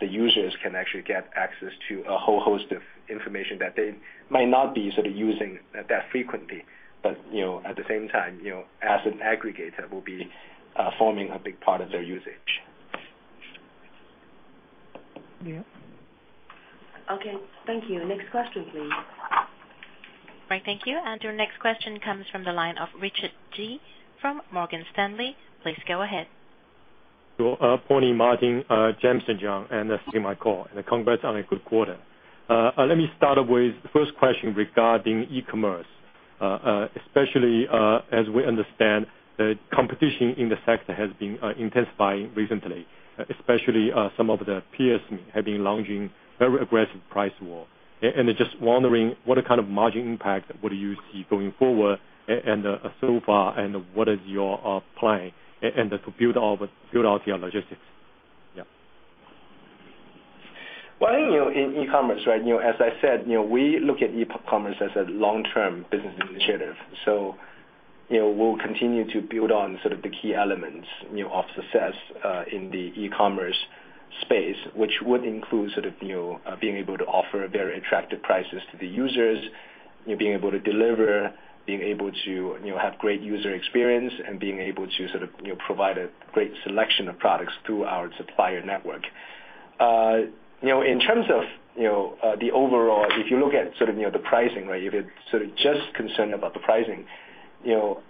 the users can actually get access to a whole host of information that they might not be using that frequently. At the same time, as an aggregator, will be forming a big part of their usage. Yeah. Okay. Thank you. Next question, please. Great. Thank you. Your next question comes from the line of Richard Ji from Morgan Stanley. Please go ahead. Good morning, Martin, James, and John, thanks for my call. Congrats on a good quarter. Let me start with the first question regarding e-commerce. Especially as we understand the competition in the sector has been intensifying recently, especially some of the peers have been launching very aggressive price war. Just wondering what kind of margin impact would you see going forward and so far, and what is your plan, and to build out your logistics? Yeah. Well, I think in e-commerce, as I said, we look at e-commerce as a long-term business initiative. We'll continue to build on the key elements of success in the e-commerce space, which would include being able to offer very attractive prices to the users, being able to deliver, being able to have great user experience, and being able to provide a great selection of products through our supplier network. In terms of the overall, if you look at the pricing, if you're just concerned about the pricing,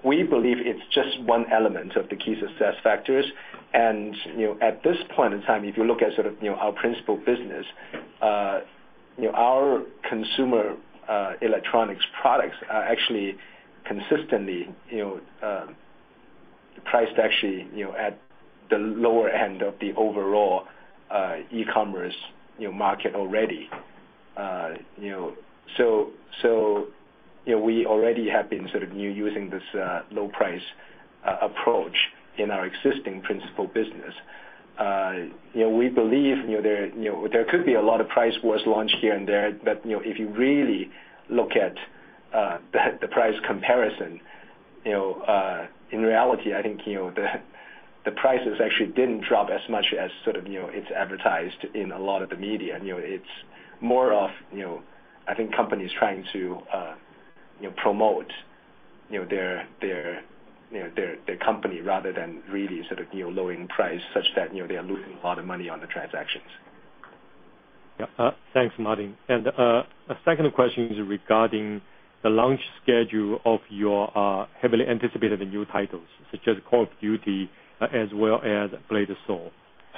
we believe it's just one element of the key success factors. At this point in time, if you look at our principal business, our consumer electronics products are actually consistently priced actually at the lower end of the overall e-commerce market already. We already have been using this low price approach in our existing principal business. We believe there could be a lot of price wars launched here and there, if you really look at the price comparison, in reality, I think the prices actually didn't drop as much as it's advertised in a lot of the media. It's more of, I think, companies trying to promote their company rather than really lowering price such that they are losing a lot of money on the transactions. Yeah. Thanks, Martin. A second question is regarding the launch schedule of your heavily anticipated new titles, such as Call of Duty as well as Blade & Soul.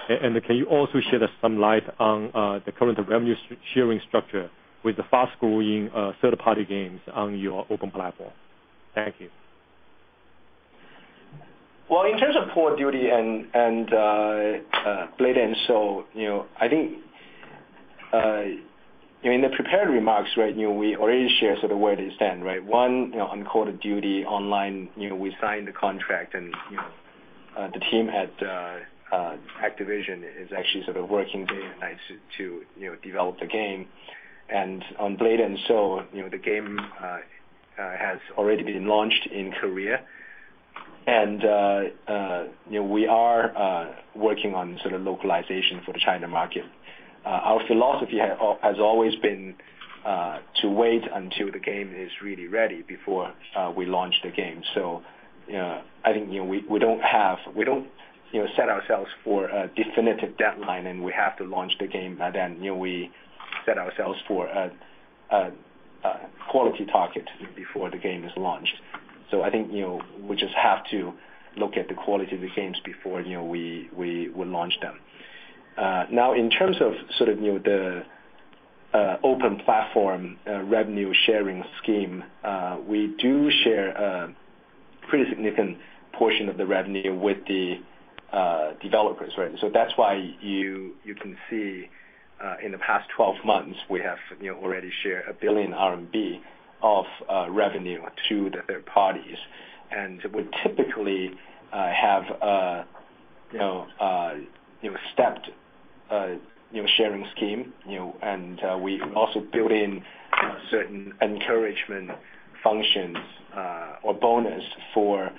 Can you also shed us some light on the current revenue sharing structure with the fast-growing third-party games on your open platform? Thank you. Well, in terms of Call of Duty and Blade & Soul, I think in the prepared remarks, we already shared where it is then, right? One, on Call of Duty Online, we signed the contract, the team at Activision is actually sort of working day and night to develop the game. On Blade & Soul, the game has already been launched in Korea. We are working on localization for the China market. Our philosophy has always been to wait until the game is really ready before we launch the game. I think we don't set ourselves for a definitive deadline, and we have to launch the game by then. We set ourselves for a quality target before the game is launched. I think we just have to look at the quality of the games before we launch them. In terms of the open platform revenue sharing scheme, we do share a pretty significant portion of the revenue with the developers. That's why you can see in the past 12 months, we have already shared 1 billion RMB of revenue to the third parties. We typically have a stepped sharing scheme, and we also build in certain encouragement functions or bonus for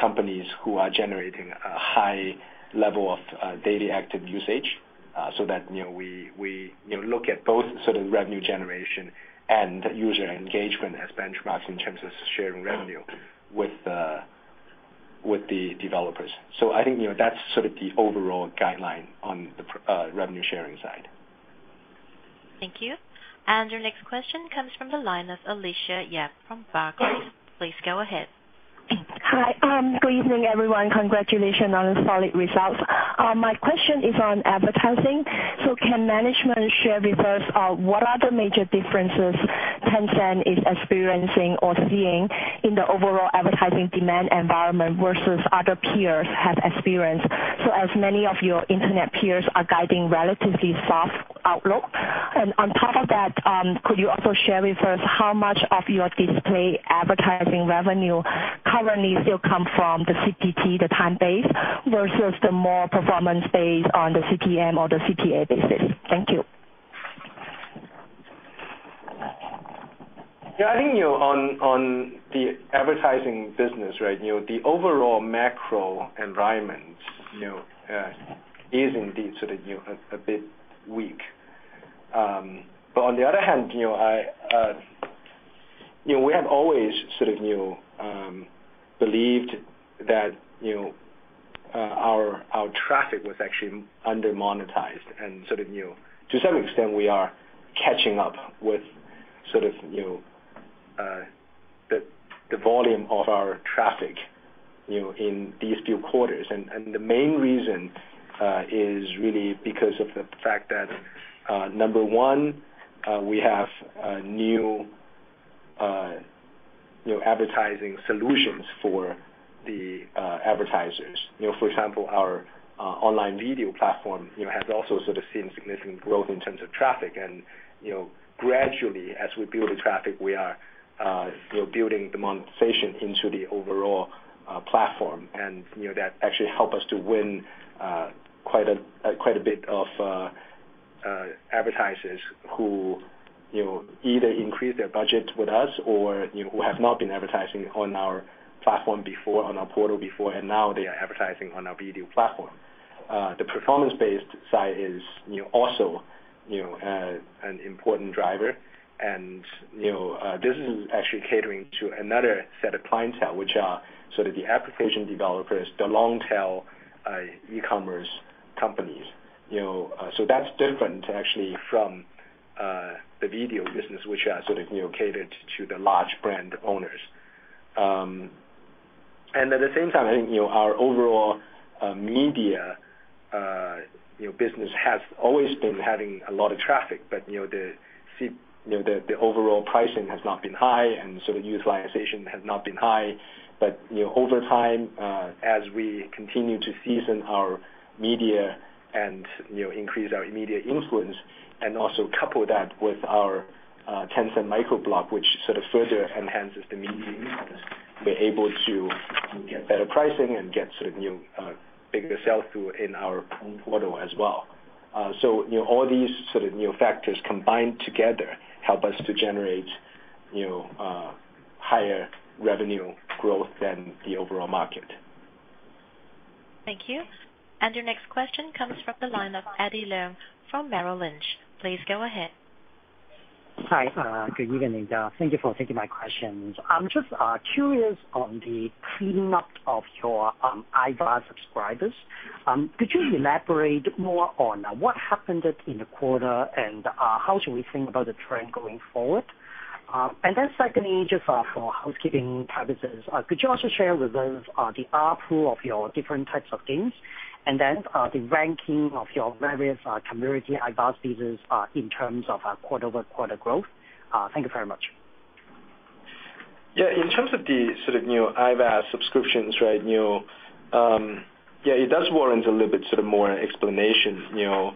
companies who are generating a high level of daily active usage, that we look at both revenue generation and user engagement as benchmarks in terms of sharing revenue with the developers. I think that's the overall guideline on the revenue sharing side. Thank you. Your next question comes from the line of Alicia Yap from Barclays. Please go ahead. Hi. Good evening, everyone. Congratulations on the solid results. My question is on advertising. Can management share with us what are the major differences Tencent is experiencing or seeing in the overall advertising demand environment versus other peers have experienced, so as many of your internet peers are guiding relatively soft outlook? On top of that, could you also share with us how much of your display advertising revenue currently still come from the CPT, the time-based, versus the more performance-based on the CPM or the CPA basis? Thank you. I think on the advertising business, the overall macro environment is indeed a bit weak. On the other hand, we have always believed that our traffic was actually under-monetized, and to some extent, we are catching up with the volume of our traffic In these few quarters. The main reason is really because of the fact that, number 1, we have new advertising solutions for the advertisers. For example, our online video platform has also seen significant growth in terms of traffic. Gradually, as we build the traffic, we are building the monetization into the overall platform, and that actually help us to win quite a bit of advertisers who either increase their budget with us or who have not been advertising on our platform before, on our portal before, and now they are advertising on our video platform. The performance-based side is also an important driver. This is actually catering to another set of clientele, which are sort of the application developers, the long-tail e-commerce companies. That's different, actually, from the video business, which has sort of catered to the large brand owners. At the same time, I think our overall media business has always been having a lot of traffic, but the overall pricing has not been high and sort of utilization has not been high. Over time, as we continue to season our media and increase our media influence and also couple that with our Tencent Microblog, which sort of further enhances the media influence, we're able to get better pricing and get sort of bigger sell-through in our portal as well. All these sort of new factors combined together help us to generate higher revenue growth than the overall market. Thank you. Your next question comes from the line of Eddie Leung from Merrill Lynch. Please go ahead. Hi, good evening. Thank you for taking my questions. I'm just curious on the clean-up of your IVAS subscribers. Could you elaborate more on what happened in the quarter, and how should we think about the trend going forward? Secondly, just for housekeeping purposes, could you also share with us the ARPU of your different types of games and then the ranking of your various community IVAS business in terms of quarter-over-quarter growth? Thank you very much. Yeah. In terms of the sort of IVAS subscriptions, it does warrant a little bit sort of more explanation. In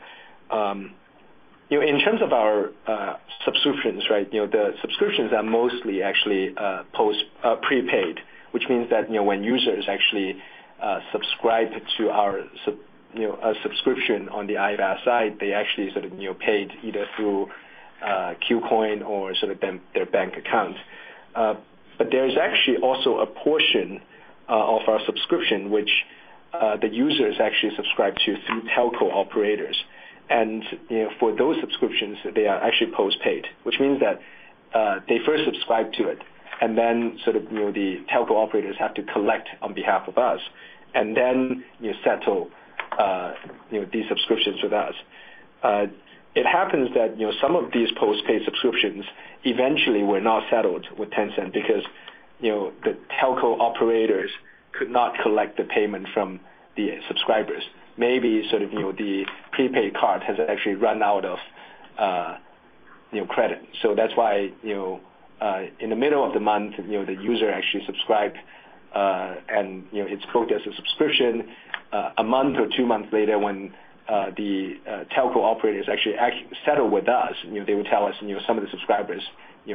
terms of our subscriptions, the subscriptions are mostly actually prepaid, which means that when users actually subscribe to our subscription on the IVAS side, they actually sort of paid either through QQ Coin or sort of their bank accounts. There's actually also a portion of our subscription which the users actually subscribe to through telco operators. For those subscriptions, they are actually postpaid, which means that they first subscribe to it, and then sort of the telco operators have to collect on behalf of us and then settle these subscriptions with us. It happens that some of these postpaid subscriptions eventually were not settled with Tencent because the telco operators could not collect the payment from the subscribers. Maybe the prepaid card has actually run out of credit. That's why, in the middle of the month, the user actually subscribed, and it's quoted as a subscription. A month or two months later, when the telco operators actually settle with us, they would tell us some of the subscribers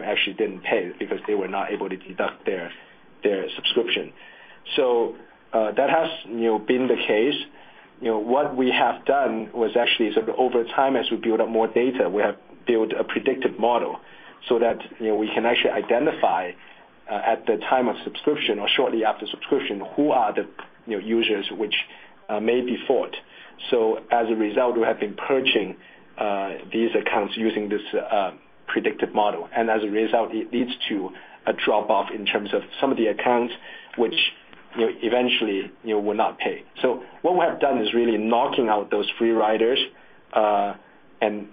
actually didn't pay because they were not able to deduct their subscription. That has been the case. What we have done was actually sort of over time, as we build up more data, we have built a predictive model so that we can actually identify at the time of subscription or shortly after subscription, who are the users which may default. As a result, we have been purging these accounts using this predictive model, and as a result, it leads to a drop-off in terms of some of the accounts which eventually will not pay. What we have done is really knocking out those free riders, and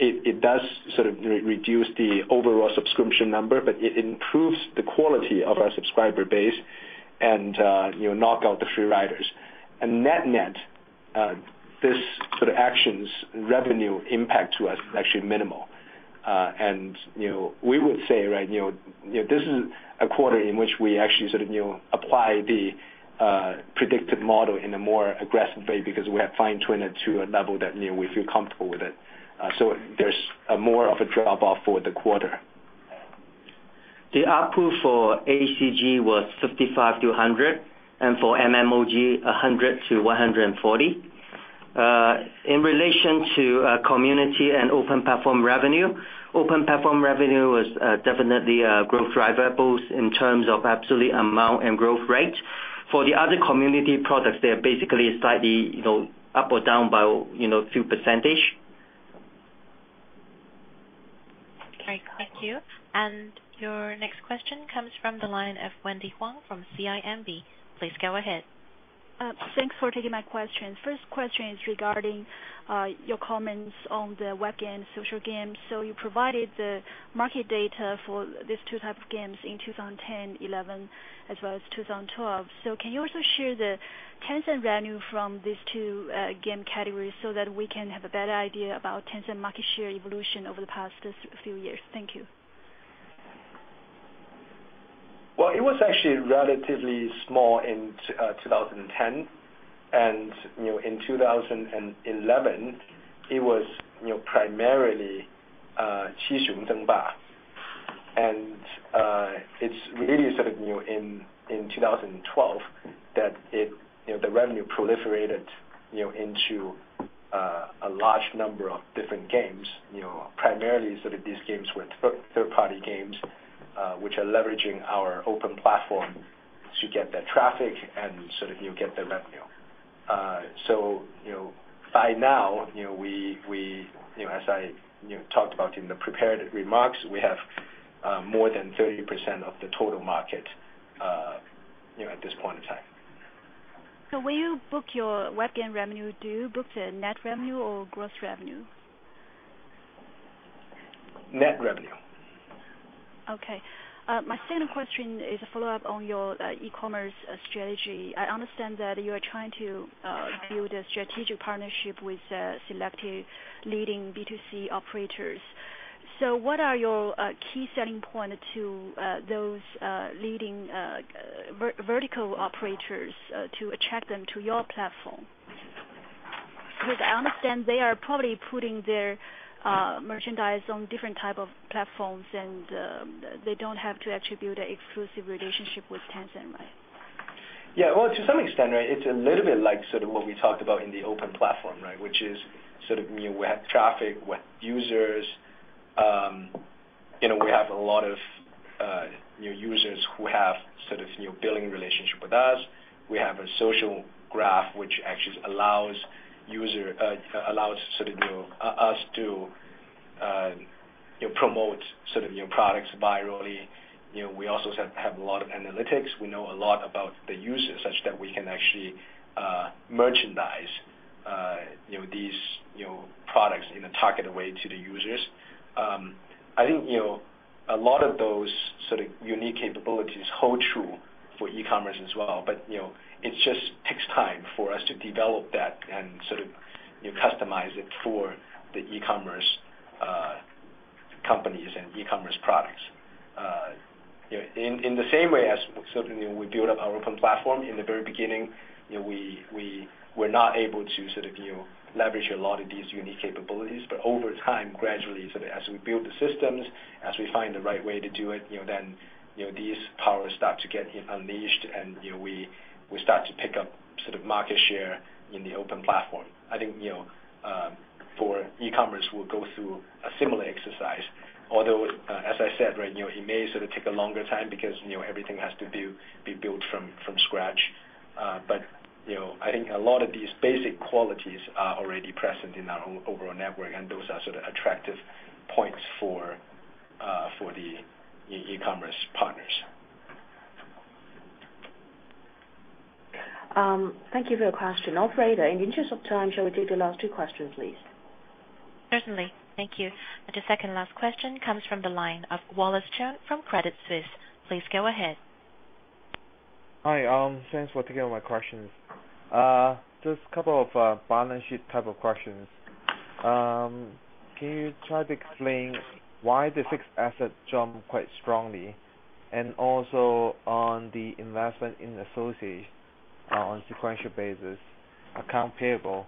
it does sort of reduce the overall subscription number, but it improves the quality of our subscriber base and knock out the free riders. Net net, this sort of action's revenue impact to us is actually minimal. We would say this is a quarter in which we actually sort of apply the predictive model in a more aggressive way because we have fine-tuned it to a level that we feel comfortable with it. There's more of a drop-off for the quarter. The ARPU for ACG was 55-100, and for MMOG, 100-140. In relation to community and open platform revenue, open platform revenue was definitely a growth driver, both in terms of absolute amount and growth rate. For the other community products, they are basically slightly up or down by a few percentage. All right. Thank you. Your next question comes from the line of Wendy Huang from CIMB. Please go ahead. Thanks for taking my question. First question is regarding your comments on the web games, social games. You provided the market data for these two types of games in 2010, 2011, as well as 2012. Can you also share the Tencent revenue from these two game categories so that we can have a better idea about Tencent market share evolution over the past few years? Thank you. It was actually relatively small in 2010. In 2011, it was primarily Qi Xiong Zheng Ba. It's really sort of in 2012 that the revenue proliferated into a large number of different games. Primarily, these games were third-party games, which are leveraging our open platform to get their traffic and get the revenue. By now, as I talked about in the prepared remarks, we have more than 30% of the total market at this point in time. When you book your web game revenue, do you book the net revenue or gross revenue? Net revenue. My second question is a follow-up on your e-commerce strategy. I understand that you are trying to build a strategic partnership with selective leading B2C operators. What are your key selling point to those leading vertical operators to attract them to your platform? I understand they are probably putting their merchandise on different type of platforms, and they don't have to actually build an exclusive relationship with Tencent, right? Yeah. To some extent, it's a little bit like what we talked about in the open platform. Which is, we have traffic, we have users, we have a lot of new users who have billing relationship with us. We have a social graph, which actually allows us to promote products virally. We also have a lot of analytics. We know a lot about the users, such that we can actually merchandise these products in a targeted way to the users. I think, a lot of those sort of unique capabilities hold true for e-commerce as well. It just takes time for us to develop that and customize it for the e-commerce companies and e-commerce products. In the same way as we built up our open platform, in the very beginning, we were not able to leverage a lot of these unique capabilities. Over time, gradually, as we build the systems, as we find the right way to do it, then these powers start to get unleashed, and we start to pick up market share in the open platform. I think for e-commerce, we'll go through a similar exercise. Although, as I said, it may take a longer time because everything has to be built from scratch. I think a lot of these basic qualities are already present in our overall network, and those are sort of attractive points for the e-commerce partners. Thank you for your question. Operator, in the interest of time, shall we take the last two questions, please? Certainly. Thank you. The second last question comes from the line of Wallace Cheung from Credit Suisse. Please go ahead. Hi. Thanks for taking my questions. Just a couple of balance sheet type of questions. Can you try to explain why the fixed asset jumped quite strongly, and also on the investment in associates on sequential basis, accounts payable.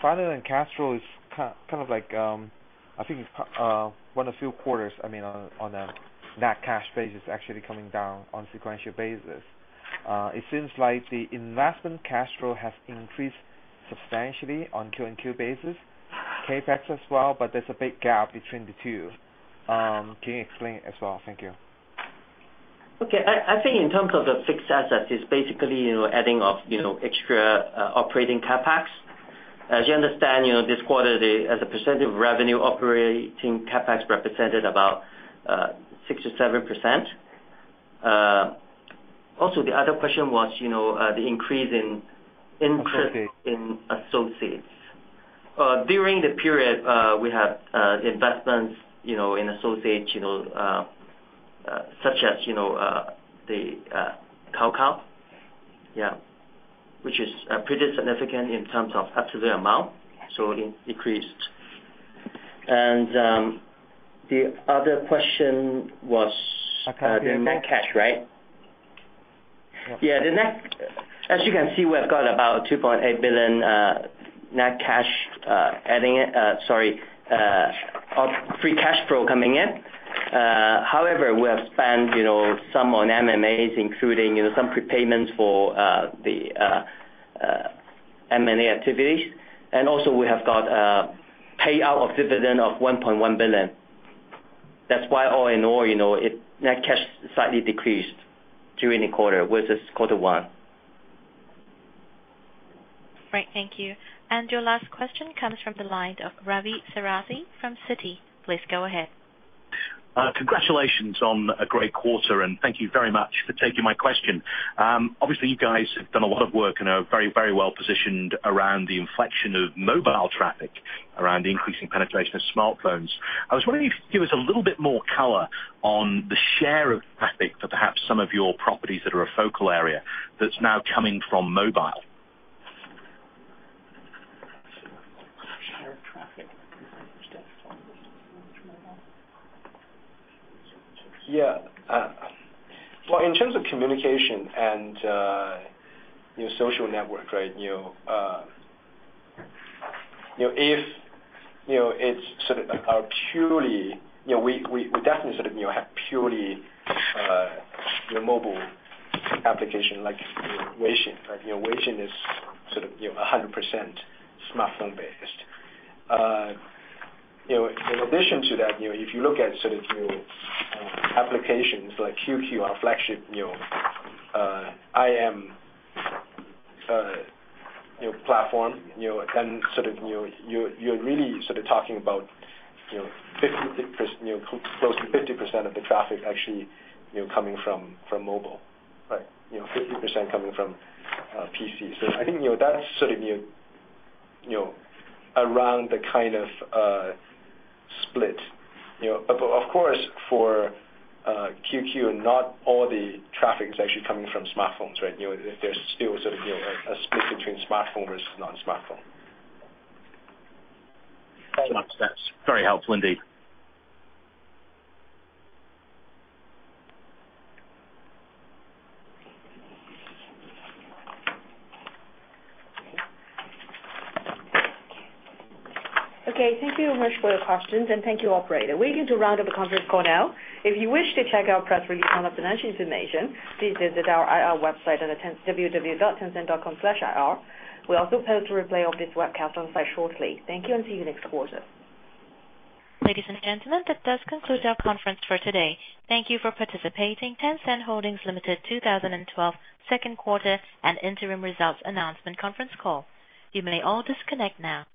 Finally, in cash flow, I think it's one of few quarters, I mean, on a net cash basis, actually coming down on sequential basis. It seems like the investment cash flow has increased substantially on Q on Q basis, CapEx as well, but there's a big gap between the two. Can you explain it as well? Thank you. Okay. I think in terms of the fixed assets, it's basically adding off extra operating CapEx. As you understand, this quarter, as a percentage of revenue, operating CapEx represented about 67%. Also, the other question was the increase in interest Okay in associates. During the period, we have investments in associates, such as the Cao Cao, which is pretty significant in terms of absolute amount, so it increased. The other question was Account payable the net cash, right? Yeah. As you can see, we have got about 2.8 billion net cash, free cash flow coming in. However, we have spent some on MMAs, including some prepayments for the M&A activities. Also, we have got payout of dividend of 1.1 billion. That's why all in all, net cash slightly decreased during the quarter versus quarter one. Great. Thank you. Your last question comes from the line of Ravi Sarathy from Citi. Please go ahead. Congratulations on a great quarter, and thank you very much for taking my question. Obviously, you guys have done a lot of work and are very well-positioned around the inflection of mobile traffic, around the increasing penetration of smartphones. I was wondering if you could give us a little bit more color on the share of traffic for perhaps some of your properties that are a focal area that's now coming from mobile. Share of traffic from desktop to mobile. Well, in terms of communication and social network, we definitely have purely mobile application like Weixin. Weixin is 100% smartphone based. In addition to that, if you look at applications like QQ, our flagship IM platform, you're really talking about close to 50% of the traffic actually coming from mobile. Right. 50% coming from PC. I think that's around the kind of split. Of course, for QQ, not all the traffic is actually coming from smartphones. There's still a split between smartphone versus non-smartphone. Thanks. That's very helpful indeed. Thank you very much for your questions, and thank you, operator. We're going to round up the conference call now. If you wish to check our press release and our financial information, please visit our IR website at www.tencent.com/IR. We'll also post a replay of this webcast on site shortly. Thank you, and see you next quarter. Ladies and gentlemen, that does conclude our conference for today. Thank you for participating in Tencent Holdings Limited 2012 second quarter and interim results announcement conference call. You may all disconnect now.